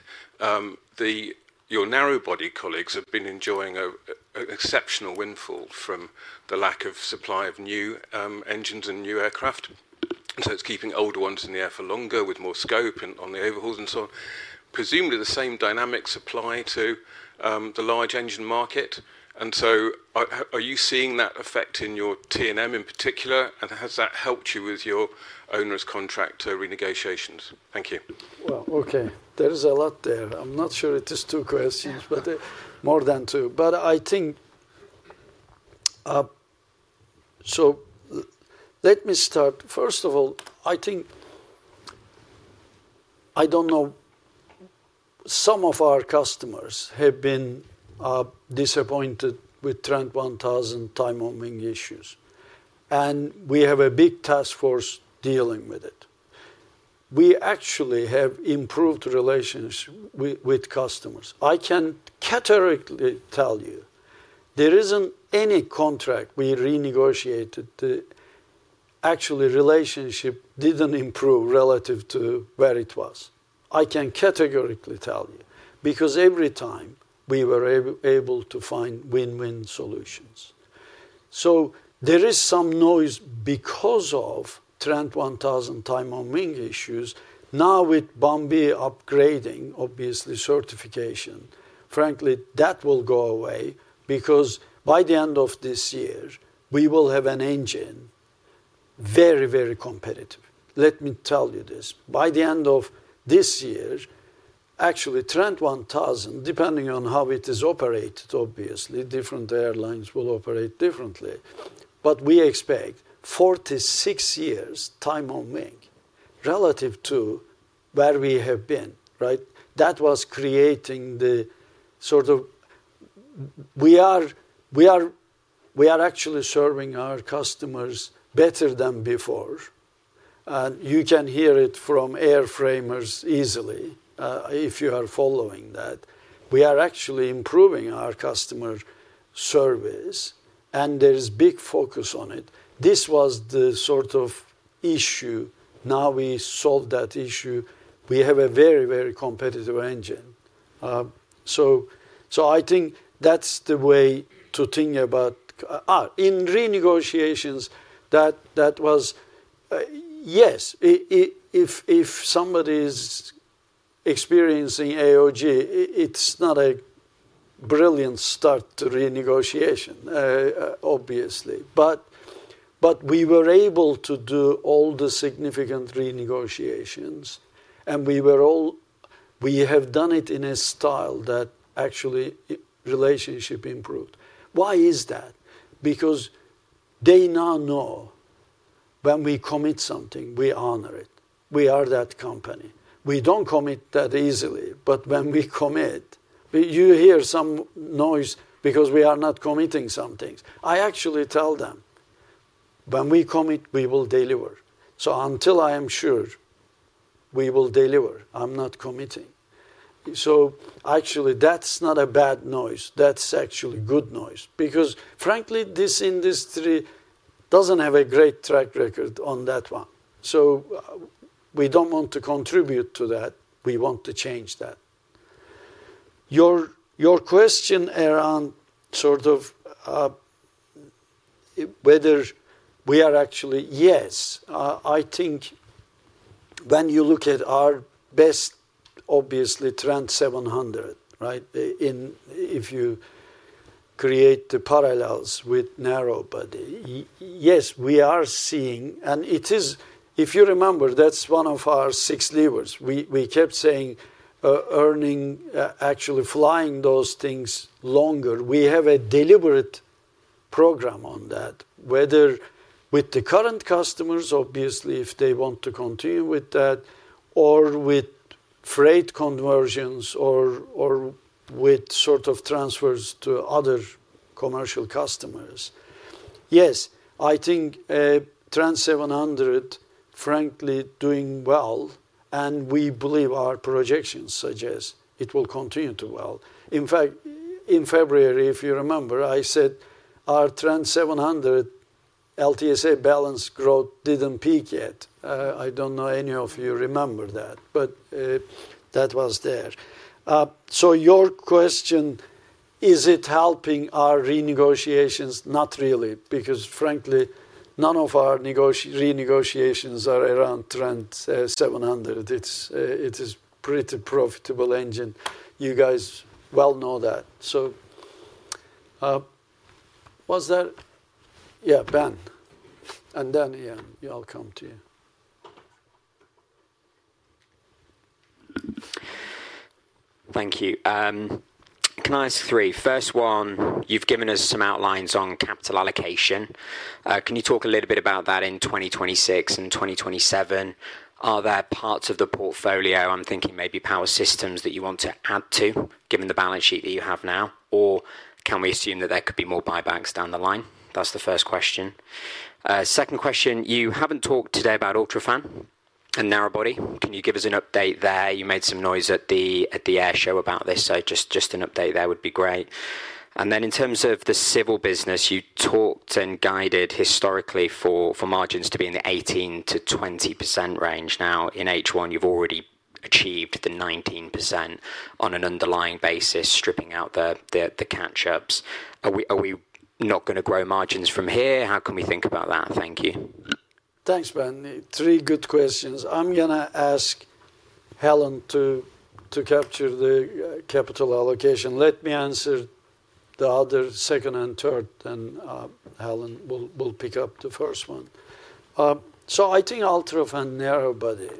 Your narrow-body colleagues have been enjoying an exceptional windfall from the lack of supply of new engines and new aircraft. It's keeping older ones in the air for longer with more scope on the overhauls and so on. Presumably the same dynamics apply to the large engine market. Are you seeing that affecting your T&M in particular? Has that helped you with your onerous contract renegotiations? Thank you. There is a lot there. I'm not sure it is two questions, but more than two. Let me start. First of all, I think some of our customers have been disappointed with Trent 1000 Time-on-Wing issues, and we have a big task force dealing with it. We actually have improved relationships with customers. I can categorically tell you there isn't any contract we renegotiated where the relationship didn't improve relative to where it was. I can categorically tell you because every time we were able to find win-win solutions. There is some noise because of Trent 1000 Time-on-Wing issues. Now with the Trent 1000 upgrading, obviously certification, frankly, that will go away because by the end of this year, we will have an engine very, very competitive. Let me tell you this. By the end of this year, actually Trent 1000, depending on how it is operated, obviously different airlines will operate differently, but we expect four to six years Time-on-Wing relative to where we have been, right? That was creating the sort of issue. We are actually serving our customers better than before, and you can hear it from airframers easily if you are following that. We are actually improving our customer service, and there is big focus on it. This was the sort of issue. Now we solved that issue. We have a very, very competitive engine. That's the way to think about it. In renegotiations, that was, yes, if somebody is experiencing AOG, it's not a brilliant start to renegotiation, obviously. We were able to do all the significant renegotiations, and we have done it in a style that actually relationship improved. Why is that? Because they now know when we commit something, we honor it. We are that company. We don't commit that easily, but when we commit, you hear some noise because we are not committing some things. I actually tell them when we commit, we will deliver. Until I am sure we will deliver, I'm not committing. Actually, that's not a bad noise. That's actually good noise because, frankly, this industry doesn't have a great track record on that one. We don't want to contribute to that. We want to change that. Your question around sort of whether we are actually, yes, I think. When you look at our best, obviously, Trent 700, right? If you create the parallels with narrow body, yes, we are seeing, and it is, if you remember, that's one of our six levers. We kept saying earning, actually flying those things longer. We have a deliberate program on that, whether with the current customers, obviously, if they want to continue with that, or with freight conversions or with sort of transfers to other commercial customers. Yes, I think Trent 700, frankly, doing well, and we believe our projections suggest it will continue to do well. In fact, in February, if you remember, I said our Trent 700 LTSA balance growth didn't peak yet. I don't know if any of you remember that, but that was there. Your question, is it helping our renegotiations? Not really, because frankly, none of our renegotiations are around Trent 700. It is a pretty profitable engine. You guys well know that. Was that? Yeah, Ben. And then, yeah, I'll come to you. Thank you. Can I ask three? First one, you've given us some outlines on capital allocation. Can you talk a little bit about that in 2026 and 2027? Are there parts of the portfolio, I'm thinking maybe Power Systems, that you want to add to, given the balance sheet that you have now? Or can we assume that there could be more buybacks down the line? That's the first question. Second question, you haven't talked today about UltraFan and narrow body. Can you give us an update there? You made some noise at the air show about this, so just an update there would be great. In terms of the civil business, you talked and guided historically for margins to be in the 18 to 20% range. Now in H1, you've already achieved the 19% on an underlying basis, stripping out the catch-ups. Are we not going to grow margins from here? How can we think about that? Thank you. Thanks, Ben. Three good questions. I'm going to ask Helen to capture the capital allocation. Let me answer the other second and third, then Helen will pick up the first one. I think UltraFan narrow body,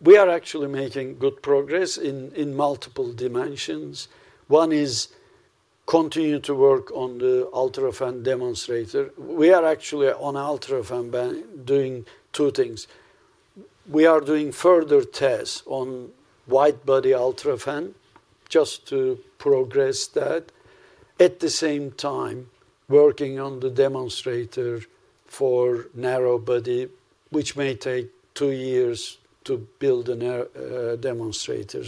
we are actually making good progress in multiple dimensions. One is continuing to work on the UltraFan demonstrator. We are actually on UltraFan doing two things. We are doing further tests on wide body UltraFan just to progress that. At the same time, working on the demonstrator for narrow body, which may take two years to build a demonstrator.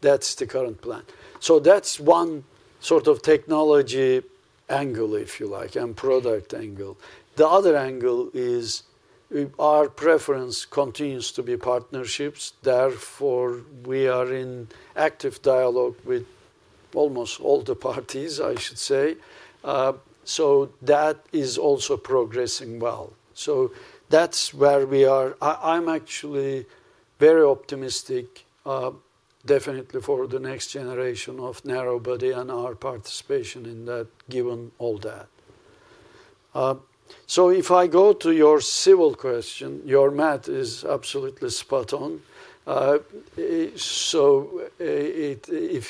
That's the current plan. That's one sort of technology angle, if you like, and product angle. The other angle is our preference continues to be partnerships. Therefore, we are in active dialogue with almost all the parties, I should say. That is also progressing well. That's where we are. I'm actually very optimistic, definitely for the next generation of narrow body and our participation in that, given all that. If I go to your Civil Aerospace question, your math is absolutely spot on. If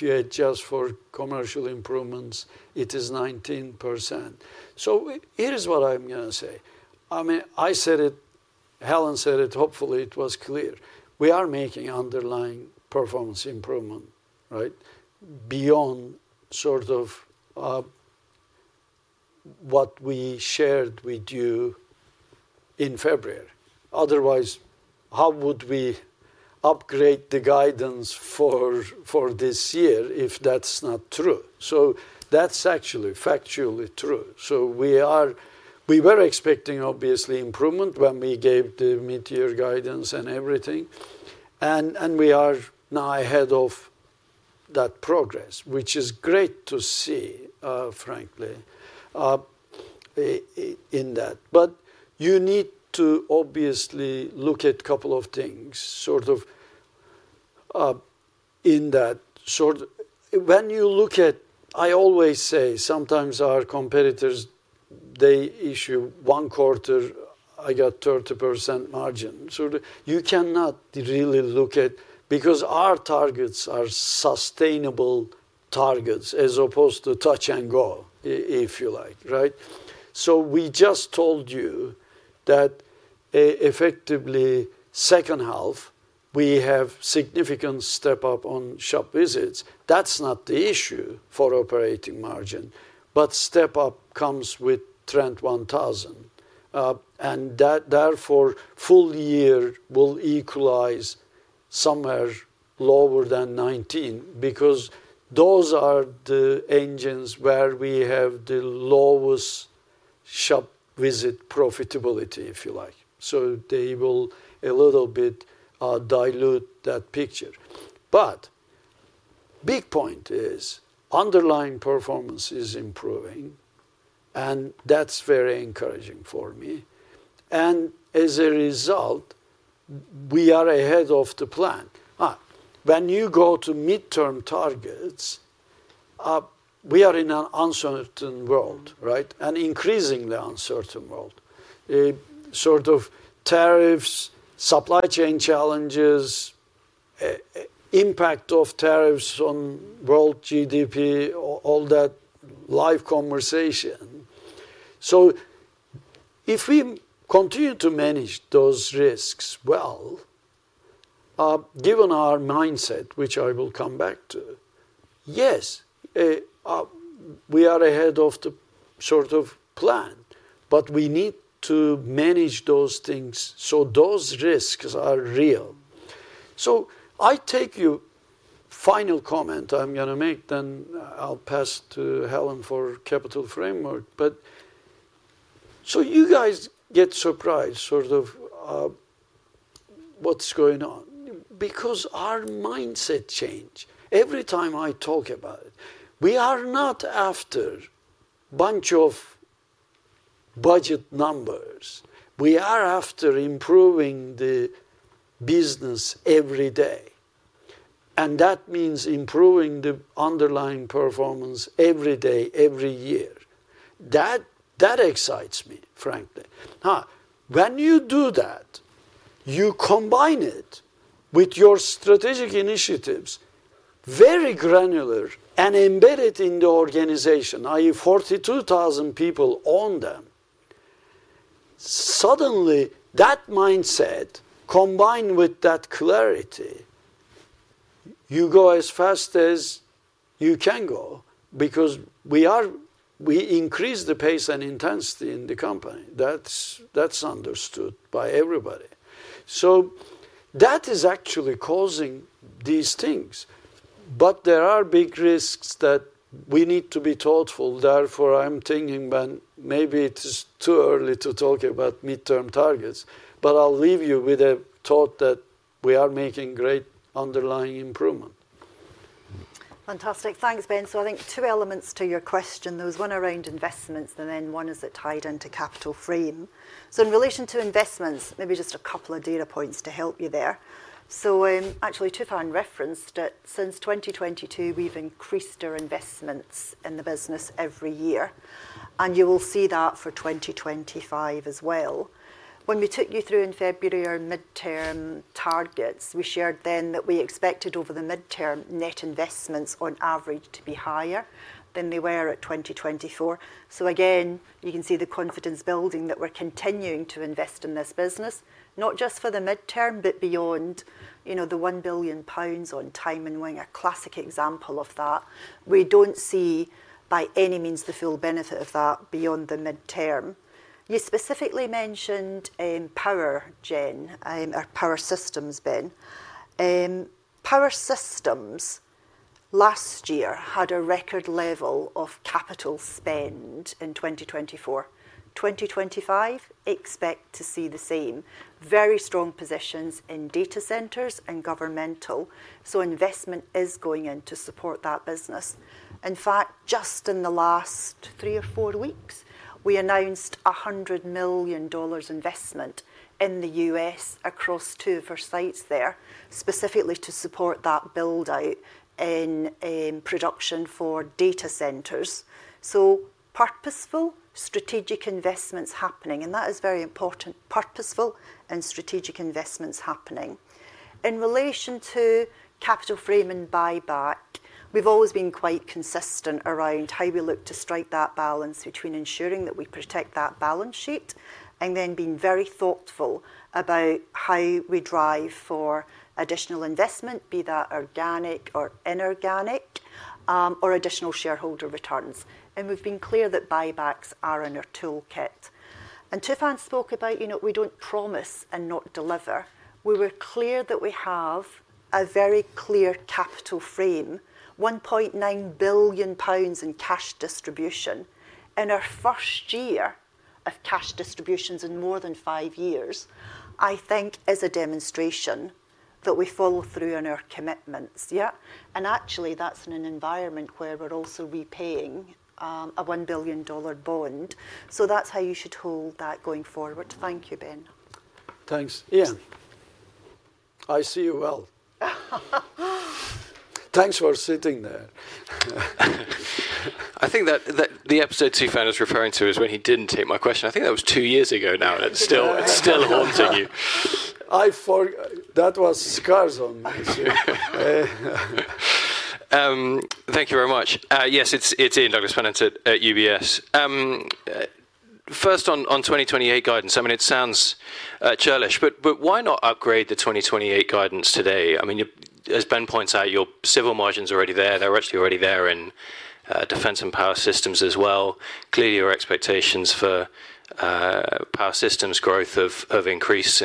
you adjust for commercial improvements, it is 19%. Here's what I'm going to say. I mean, I said it, Helen said it, hopefully it was clear. We are making underlying performance improvement, right? Beyond sort of what we shared with you in February. Otherwise, how would we upgrade the guidance for this year if that's not true? That's actually factually true. We were expecting, obviously, improvement when we gave the mid-year guidance and everything. We are now ahead of that progress, which is great to see, frankly, in that. You need to obviously look at a couple of things in that. When you look at, I always say, sometimes our competitors, they issue one quarter, I got 30% margin. You cannot really look at. Because Our targets are sustainable targets as opposed to touch-and-go, if you like, right? We just told you that. Effectively, second half, we have a significant step-up on shop visits. That's not the issue for operating margin, but step-up comes with Trent 1000. Therefore, full year will equalize somewhere lower than 19 because those are the engines where we have the lowest shop visit profitability, if you like. They will a little bit dilute that picture. The big point is underlying performance is improving, and that's very encouraging for me. As a result, we are ahead of the plan. When you go to midterm targets, we are in an uncertain world, right? An increasingly uncertain world. Sort of tariffs, supply chain challenges, impact of tariffs on world GDP, all that live conversation. If we continue to manage those risks well, given our mindset, which I will come back to, yes, we are ahead of the sort of plan, but we need to manage those things so those risks are real. I take your final comment. I'm going to make, then I'll pass to Helen for Capital Framework. You guys get surprised, sort of, what's going on because our mindset changed. Every time I talk about it, we are not after a bunch of budget numbers. We are after improving the business every day, and that means improving the underlying performance every day, every year. That excites me, frankly. When you do that, you combine it with your strategic initiatives, very granular and embedded in the organization, i.e., 42,000 people own them. Suddenly, that mindset combined with that clarity, you go as fast as you can go because we increase the pace and intensity in the company. That's understood by everybody. That is actually causing these things. There are big risks that we need to be thoughtful. Therefore, I'm thinking maybe it is too early to talk about midterm targets, but I'll leave you with a thought that we are making great underlying improvement. Fantastic. Thanks, Ben. I think two elements to your question. There was one around investments, and then one is that tied into Capital Frame. In relation to investments, maybe just a couple of data points to help you there. Tufan referenced it. Since 2022, we've increased our investments in the business every year, and you will see that for 2025 as well. When we took you through in February our midterm targets, we shared then that we expected over the midterm net investments on average to be higher than they were at 2024. You can see the confidence building that we're continuing to invest in this business, not just for the midterm, but beyond. The 1 billion pounds on Time-on-Wing, a classic example of that. We don't see by any means the full benefit of that beyond the midterm. You specifically mentioned Power Systems, Ben. Power Systems last year had a record level of capital spend in 2024. In 2025, expect to see the same. Very strong positions in data center power generation and governmental. Investment is going in to support that business. In fact, just in the last three or four weeks, we announced a $100 million investment in the U.S. across two of our sites there, specifically to support that build-out in production for data centers. Purposeful strategic investments happening, and that is very important. Purposeful and strategic investments happening. In relation to Capital Frame and buyback, we've always been quite consistent around how we look to strike that balance between ensuring that we protect that balance sheet and then being very thoughtful about how we drive for additional investment, be that organic or inorganic, or additional shareholder returns. We've been clear that buybacks are in our toolkit. Tufan spoke about we don't promise and not deliver. We were clear that we have a very clear capital frame, 1.9 billion pounds in cash distribution in our first year of cash distributions in more than five years, I think is a demonstration that we follow through on our commitments. That's in an environment where we're also repaying a $1 billion bond. That's how you should hold that going forward. Thank you, Ben. Thanks, Ian. I see you well. Thanks for sitting there. I think that the episode Tufan is referring to is when he didn't take my question. I think that was two years ago now, and it's still haunting you. That was scars on me. Thank you very much. Yes, it's Ian Douglas-Pennant at UBS. First, on 2028 guidance, I mean, it sounds cherished, but why not upgrade the 2028 guidance today? I mean, as Ben points out, your civil margin's already there. They're actually already there in Defence and Power Systems as well. Clearly, your expectations for Power Systems growth have increased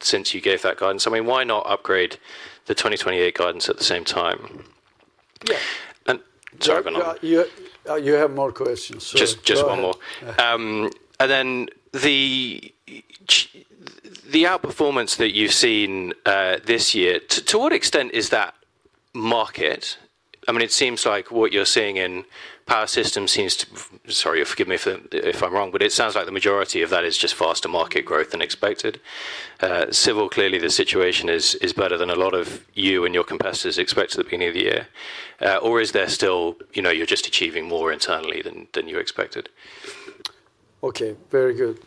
since you gave that guidance. I mean, why not upgrade the 2028 guidance at the same time? Sorry, Ben. You have more questions. Just one more. The outperformance that you've seen this year, to what extent is that market? It seems like what you're seeing in Power Systems seems to—sorry, forgive me if I'm wrong—but it sounds like the majority of that is just faster market growth than expected. Civil, clearly, the situation is better than a lot of you and your competitors expected at the beginning of the year. Is there still—you're just achieving more internally than you expected? Okay, very good.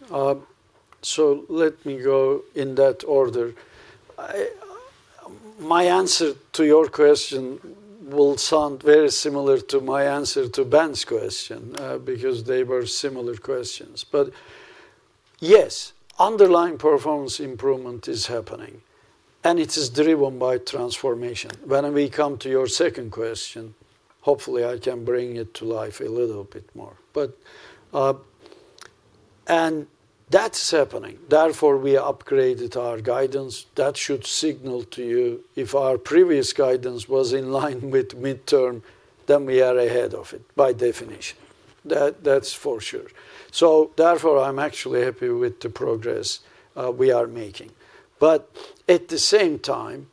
Let me go in that order. My answer to your question will sound very similar to my answer to Ben's question because they were similar questions. Yes, underlying performance improvement is happening, and it is driven by transformation. When we come to your second question, hopefully, I can bring it to life a little bit more. That's happening. Therefore, we upgraded our guidance. That should signal to you if our previous guidance was in line with midterm, then we are ahead of it by definition. That's for sure. Therefore, I'm actually happy with the progress we are making. At the same time,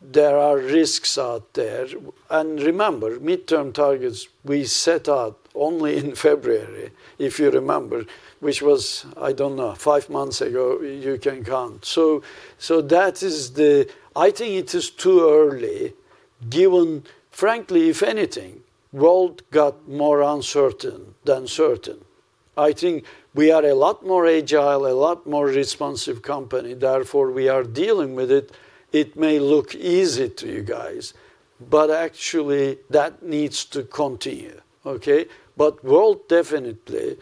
there are risks out there. Remember, midterm targets we set out only in February, if you remember, which was, I don't know, five months ago, you can count. I think it is too early. Given, frankly, if anything, world got more uncertain than certain. I think we are a lot more agile, a lot more responsive company. Therefore, we are dealing with it. It may look easy to you guys, but actually, that needs to continue. World definitely.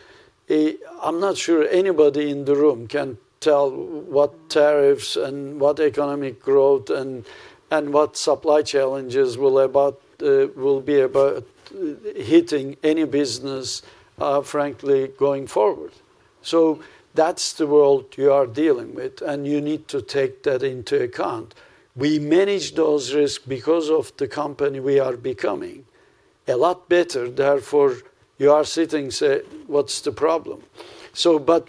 I'm not sure anybody in the room can tell what tariffs and what economic growth and what supply challenges will be about. Hitting any business, frankly, going forward. That's the world you are dealing with, and you need to take that into account. We manage those risks because of the company we are becoming a lot better. Therefore, you are sitting and say, "What's the problem?"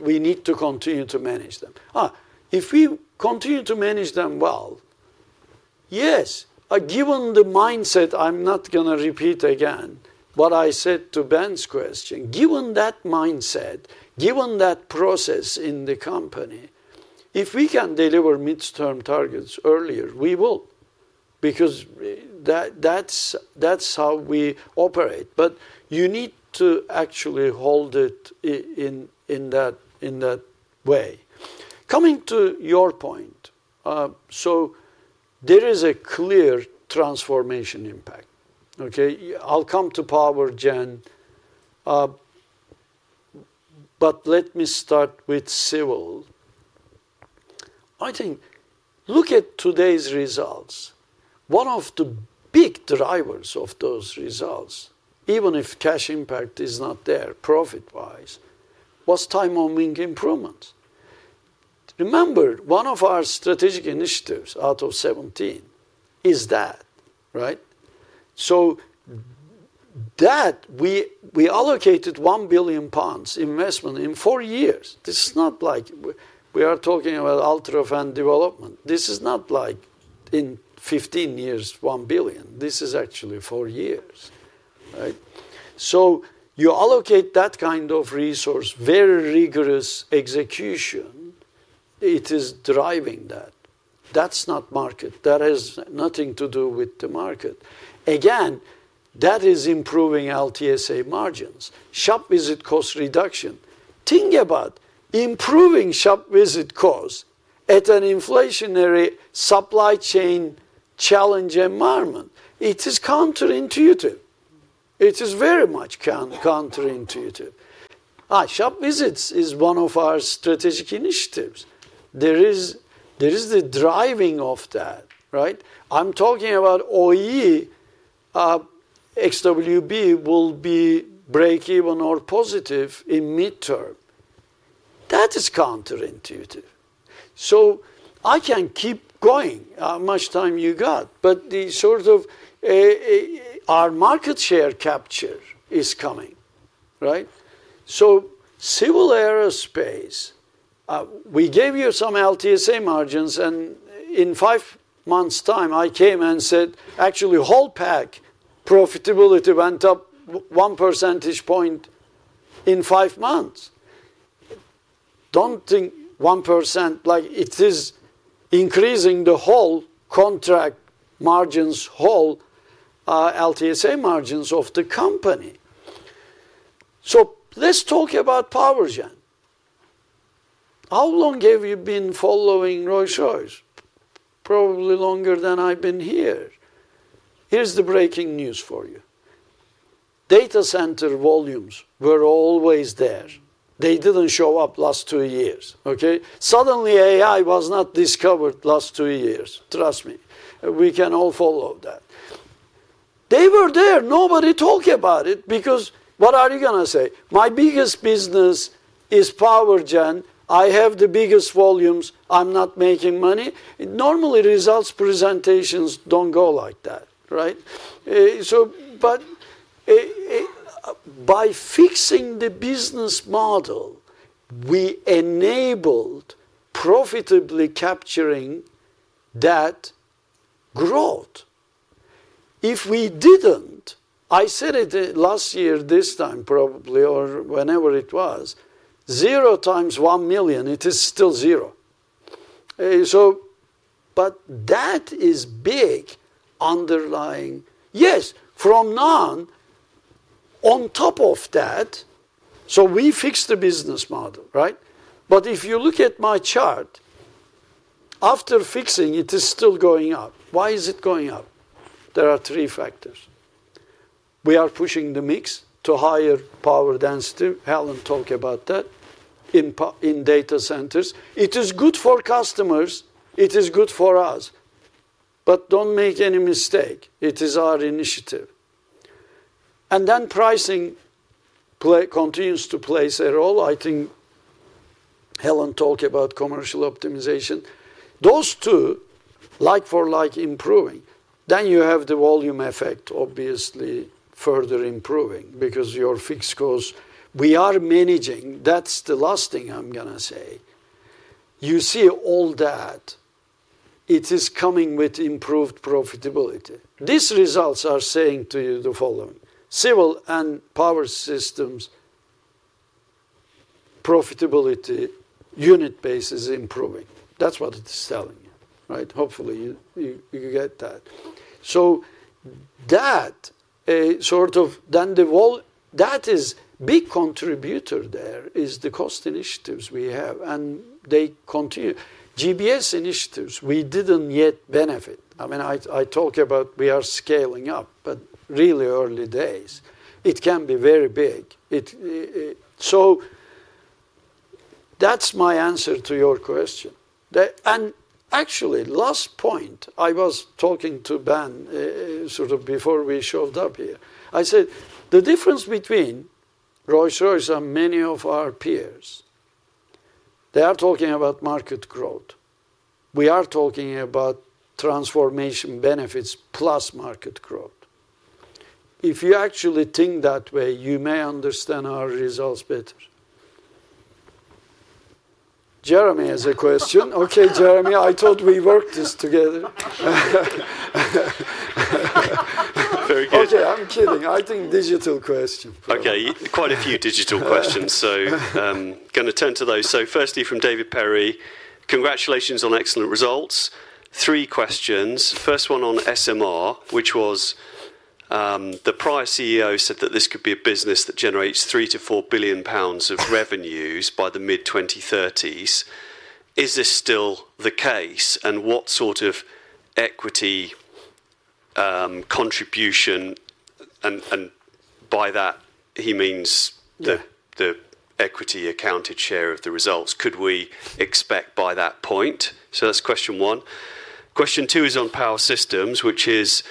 We need to continue to manage them. If we continue to manage them well, yes, given the mindset—I'm not going to repeat again what I said to Ben's question—given that mindset, given that process in the company, if we can deliver midterm targets earlier, we will because that's how we operate. You need to actually hold it in that way. Coming to your point. There is a clear transformation impact. I'll come to Power Gen. Let me start with Civil Aerospace. I think look at today's results. One of the big drivers of those results, even if cash impact is not there profit-wise, was Time-on-Wing improvements. Remember, one of our strategic initiatives out of 17 is that, right? We allocated 1 billion pounds investment in four years. This is not like we are talking about UltraFan development. This is not like in 15 years, 1 billion. This is actually four years. You allocate that kind of resource, very rigorous execution. It is driving that. That's not market. That has nothing to do with the market. Again, that is improving LTSA margins, shop visit cost reduction. Think about improving shop visit costs at an inflationary supply chain challenge environment. It is counterintuitive. It is very much counterintuitive. Shop visits is one of our strategic initiatives. The driving of that, right? I'm talking about OEE. XWB will be break-even or positive in midterm. That is counterintuitive. I can keep going, how much time you got. The sort of our market share capture is coming, right? Civil Aerospace. We gave you some LTSA margins, and in five months' time, I came and said, "Actually, whole pack profitability went up 1% in five months." Don't think 1% like it is increasing the whole contract margins, whole LTSA margins of the company. Let's talk about Power Gen. How long have you been following Rolls-Royce? Probably longer than I've been here. Here's the breaking news for you. Data center volumes were always there. They didn't show up last two years. Suddenly, AI was not discovered last two years. Trust me. We can all follow that. They were there. Nobody talked about it because what are you going to say? My biggest business is Power Gen. I have the biggest volumes. I'm not making money. Normally, results presentations don't go like that, right? By fixing the business model, we enabled profitably capturing that growth. If we didn't, I said it last year this time probably or whenever it was. Zero times 1 million, it is still zero. That is big. Underlying. Yes, from now on. On top of that. We fixed the business model, right? If you look at my chart, after fixing, it is still going up. Why is it going up? There are three factors. We are pushing the mix to higher power density. Helen talked about that. In data centers, it is good for customers. It is good for us. Don't make any mistake. It is our initiative. Then pricing continues to play a role. I think Helen talked about commercial optimization. Those two, like for like improving. Then you have the volume effect, obviously further improving because your fixed costs we are managing. That's the last thing I'm going to say. You see all that. It is coming with improved profitability. These results are saying to you the following. Civil and Power Systems profitability unit base is improving. That's what it's telling you, right? Hopefully, you get that. That sort of then the. That is a big contributor. There is the cost initiatives we have, and they continue. GBS initiatives, we didn't yet benefit. I mean, I talk about we are scaling up, but really early days. It can be very big. That's my answer to your question. Actually, last point, I was talking to Ben sort of before we showed up here. I said the difference between Rolls-Royce and many of our peers, they are talking about market growth. We are talking about transformation benefits plus market growth. If you actually think that way, you may understand our results better. Jeremy has a question. Okay, Jeremy, I thought we worked this together. Okay, I'm kidding. I think digital question. Okay, quite a few digital questions. I'm going to turn to those. Firstly from David Perry, congratulations on excellent results. Three questions. First one on SMR, which was, the prior CEO said that this could be a business that generates 3 billion to 4 billion pounds of revenues by the mid-2030s. Is this still the case? What sort of equity contribution, and by that, he means the equity accounted share of the results, could we expect by that point? That's question one. Question two is on Power Systems, which is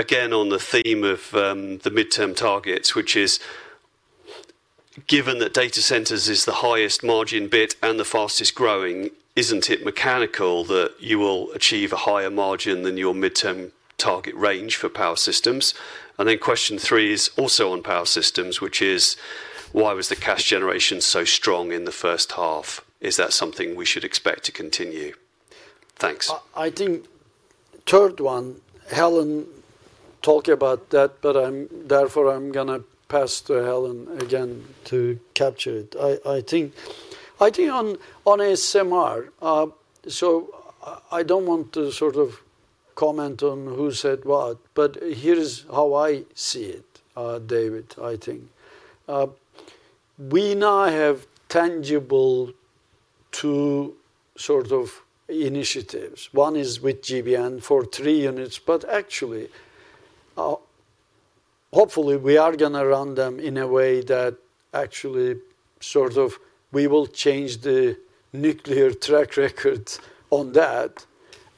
again on the theme of the midterm targets, which is, given that data center power generation is the highest margin bit and the fastest growing, isn't it mechanical that you will achieve a higher margin than your midterm target range for Power Systems? Question three is also on Power Systems, which is, why was the cash generation so strong in the first half? Is that something we should expect to continue? Thanks. I think. Third one, Helen talked about that, but therefore I'm going to pass to Helen again to capture it. I think. On SMR. I don't want to sort of comment on who said what, but here's how I see it, David. I think we now have tangible, two sort of initiatives. One is with GBN for three units, but actually, hopefully, we are going to run them in a way that actually sort of we will change the nuclear track record on that.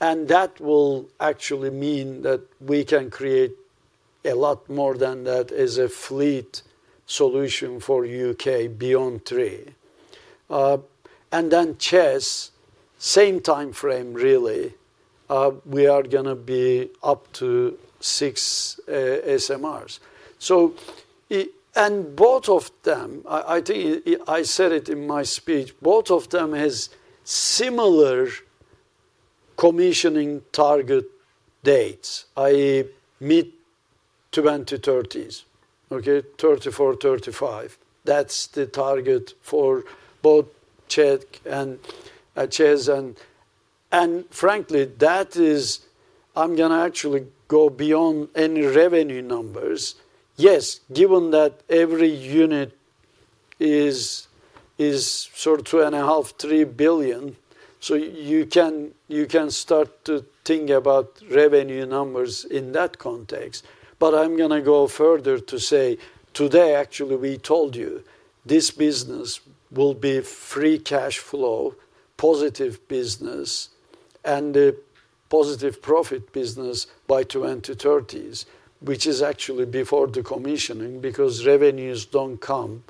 That will actually mean that we can create a lot more than that as a fleet solution for U.K. beyond three. Then CEZ, same time frame, really. We are going to be up to six SMRs. Both of them, I think I said it in my speech, both of them have similar commissioning target dates, i.e., mid-2030s, 2034, 2035. That's the target for both CEZ and, frankly, that is, I'm going to actually go beyond any revenue numbers. Yes, given that every unit is sort of 2.5 billion, 3 billion, so you can start to think about revenue numbers in that context. I'm going to go further to say today, actually, we told you this business will be free cash flow positive business and a positive profit business by 2030s, which is actually before the commissioning because revenues don't come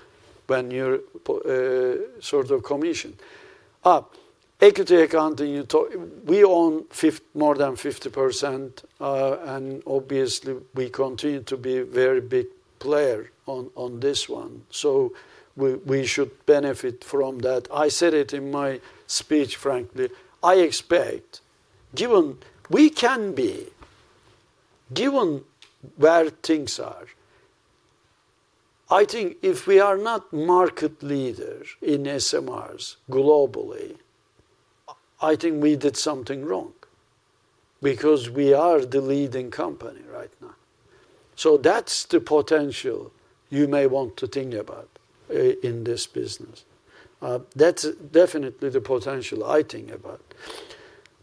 when you're sort of commissioned. Equity accounting, we own more than 50%. Obviously, we continue to be a very big player on this one, so we should benefit from that. I said it in my speech, frankly. I expect, given we can be, given where things are, I think if we are not market leader in SMRs globally, I think we did something wrong because we are the leading company right now. That's the potential you may want to think about in this business. That's definitely the potential I think about.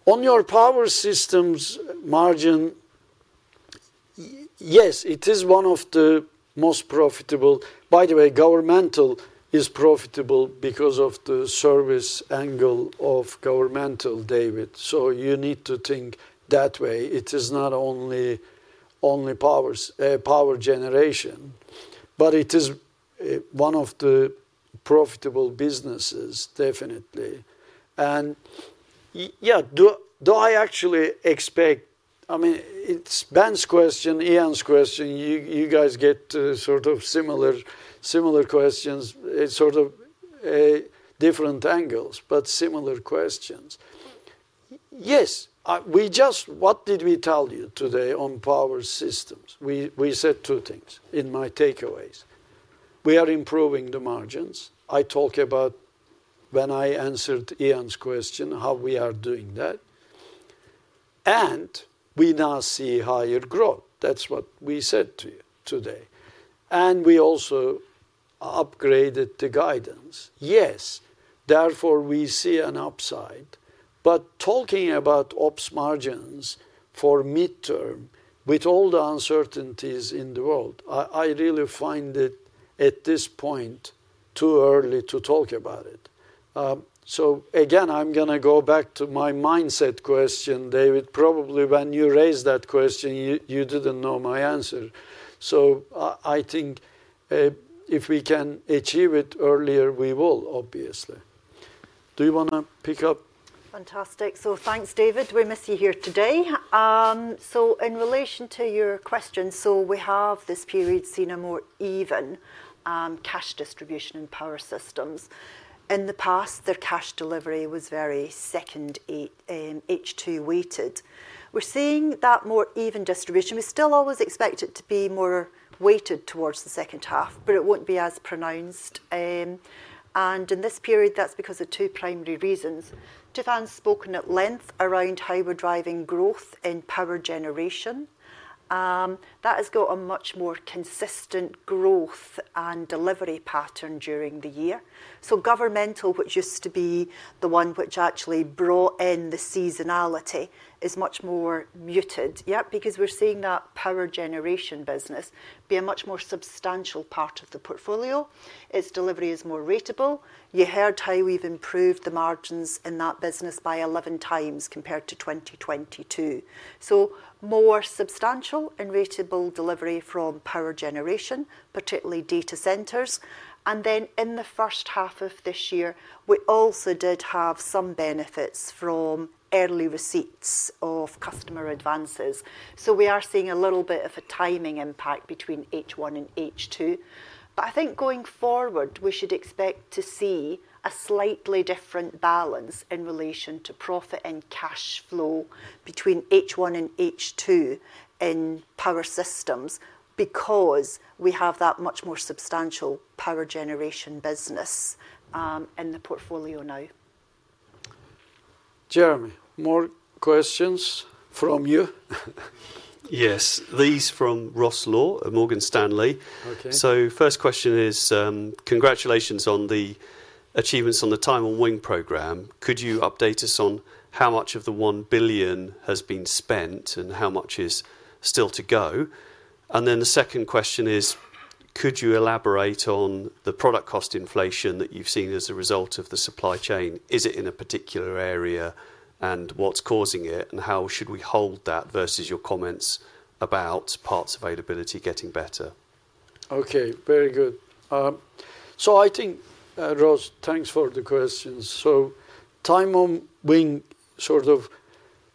On your Power Systems margin, yes, it is one of the most profitable. By the way, governmental is profitable because of the service angle of governmental, David, so you need to think that way. It is not only power generation, but it is one of the profitable businesses, definitely. Do I actually expect, I mean, it's Ben's question, Ian's question, you guys get sort of similar questions, sort of different angles, but similar questions. Yes. What did we tell you today on Power Systems? We said two things in my takeaways. We are improving the margins. I talked about, when I answered Ian's question, how we are doing that. We now see higher growth. That's what we said to you today. We also upgraded the guidance. Yes. Therefore, we see an upside. Talking about operating margins for midterm with all the uncertainties in the world, I really find it at this point too early to talk about it. Again, I'm going to go back to my mindset question, David. Probably when you raised that question, you didn't know my answer. I think if we can achieve it earlier, we will, obviously. Do you want to pick up? Fantastic. Thanks, David. We miss you here today. In relation to your question, we have this period seen a more even cash distribution in Power Systems. In the past, their cash delivery was very second half, H2 weighted. We're seeing that more even distribution. We still always expect it to be more weighted towards the second half, but it won't be as pronounced. In this period, that's because of two primary reasons. Tufan's spoken at length around how we're driving growth in power generation. That has got a much more consistent growth and delivery pattern during the year. Governmental, which used to be the one which actually brought in the seasonality, is much more muted because we're seeing that power generation business be a much more substantial part of the portfolio. Its delivery is more ratable. You heard how we've improved the margins in that business by 11 times compared to 2022. More substantial and ratable delivery from power generation, particularly data centers. In the first half of this year, we also did have some benefits from early receipts of customer advances. We are seeing a little bit of a timing impact between H1 and H2. I think going forward, we should expect to see a slightly different balance in relation to profit and cash flow between H1 and H2 in Power Systems because we have that much more substantial power generation business in the portfolio now. Jeremy, more questions from you? Yes. These are from Ross Law at Morgan Stanley. First question is, congratulations on the achievements on the Time-on-Wing program. Could you update us on how much of the 1 billion has been spent and how much is still to go? The second question is, could you elaborate on the product cost inflation that you've seen as a result of the supply chain? Is it in a particular area, and what's causing it? How should we hold that versus your comments about parts availability getting better? Okay, very good. I think, Ross, thanks for the questions. Time on Wing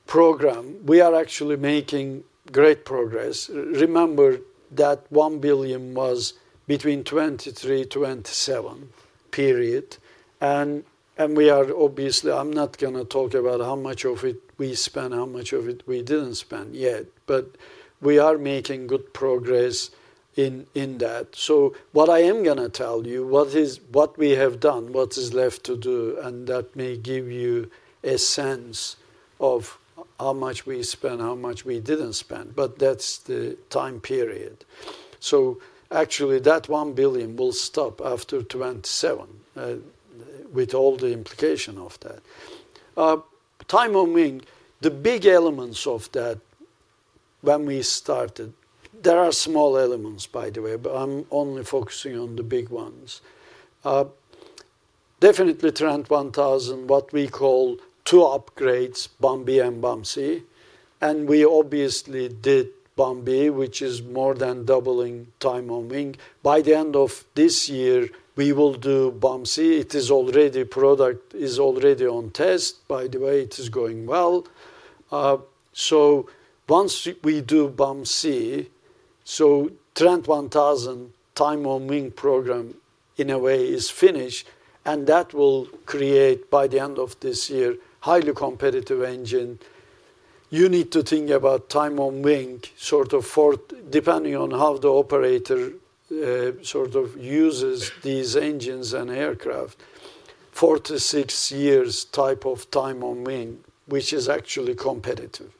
program, we are actually making great progress. Remember that 1 billion was between 2023, 2027 period. We are obviously, I'm not going to talk about how much of it we spent, how much of it we didn't spend yet, but we are making good progress in that. What I am going to tell you, what we have done, what is left to do, and that may give you a sense of how much we spent, how much we didn't spend, but that's the time period. That 1 billion will stop after 2027, with all the implication of that. Time on Wing, the big elements of that. When we started, there are small elements, by the way, but I'm only focusing on the big ones. Definitely Trent 1000, what we call two upgrades, BAMBI and BAMSEE. We obviously did BAMBI, which is more than doubling Time on Wing. By the end of this year, we will do BAMSEE. It is already product, is already on test, by the way, it is going well. Once we do BAMSEE, Trent 1000 Time on Wing program in a way is finished. That will create by the end of this year, highly competitive engine. You need to think about Time on Wing sort of depending on how the operator uses these engines and aircraft. Four to six years type of Time on Wing, which is actually competitive.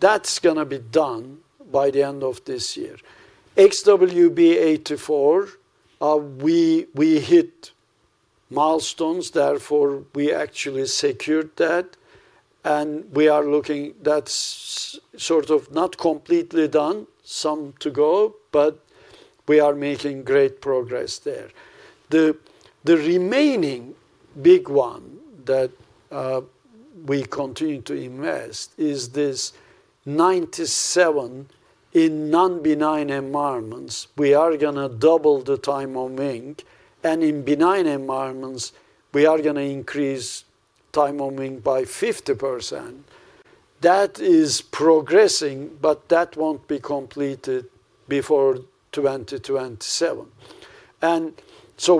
That's going to be done by the end of this year. XWB-84, we hit milestones, therefore we actually secured that. We are looking, that's sort of not completely done, some to go, but we are making great progress there. The remaining big one that we continue to invest is this 97. In non-benign environments, we are going to double the Time on Wing. In benign environments, we are going to increase Time on Wing by 50%. That is progressing, but that won't be completed before 2027.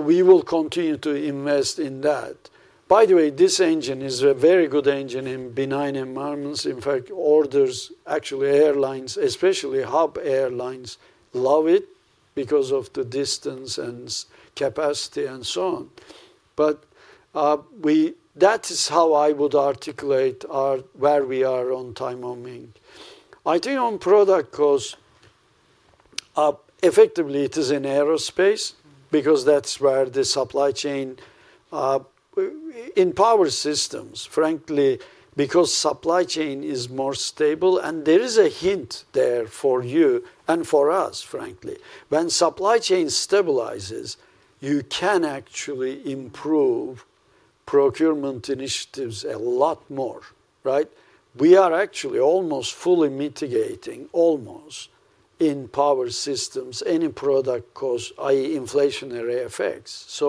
We will continue to invest in that. By the way, this engine is a very good engine in benign environments. In fact, orders, actually airlines, especially hub airlines love it because of the distance and capacity and so on. That is how I would articulate where we are on Time on Wing. I think on product cost, effectively it is in aerospace because that's where the supply chain. In Power Systems, frankly, because supply chain is more stable. There is a hint there for you and for us, frankly. When supply chain stabilizes, you can actually improve procurement initiatives a lot more, right? We are actually almost fully mitigating almost. In Power Systems, any product cost, i.e., inflationary effects.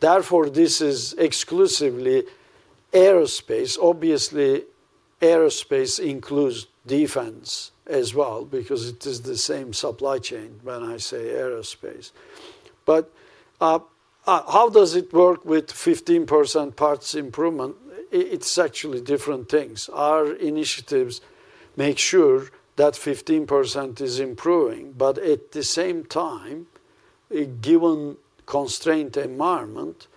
Therefore, this is exclusively Aerospace. Obviously, Aerospace includes Defence as well because it is the same supply chain when I say Aerospace. How does it work with 15% parts improvement? It's actually different things. Our initiatives make sure that 15% is improving, but at the same time, given constraint environment,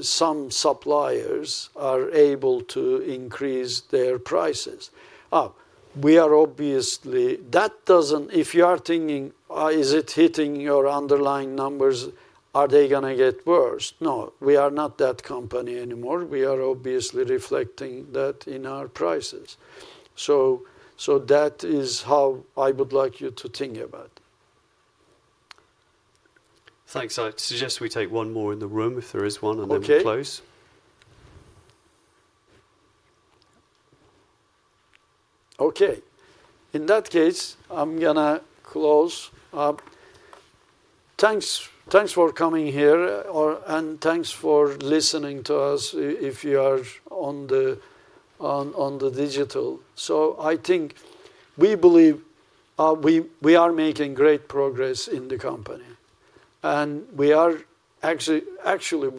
some suppliers are able to increase their prices. We are obviously, that doesn't, if you are thinking, is it hitting your underlying numbers? Are they going to get worse? No, we are not that company anymore. We are obviously reflecting that in our prices. That is how I would like you to think about it. Thanks. I suggest we take one more in the room if there is one, and then we close. Okay. In that case, I'm going to close. Thanks for coming here and thanks for listening to us if you are on the digital. I think we believe we are making great progress in the company.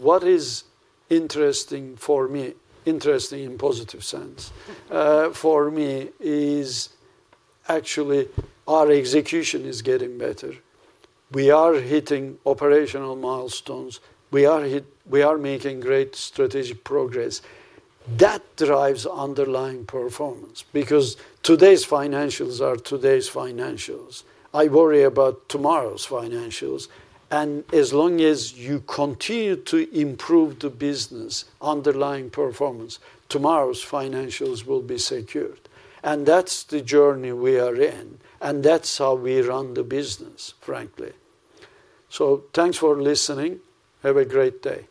What is interesting for me, interesting in a positive sense for me, is actually our execution is getting better. We are hitting operational milestones. We are making great strategic progress. That drives underlying performance because today's financials are today's financials. I worry about tomorrow's financials. As long as you continue to improve the business, underlying performance, tomorrow's financials will be secured. That's the journey we are in. That's how we run the business, frankly. Thanks for listening. Have a great day.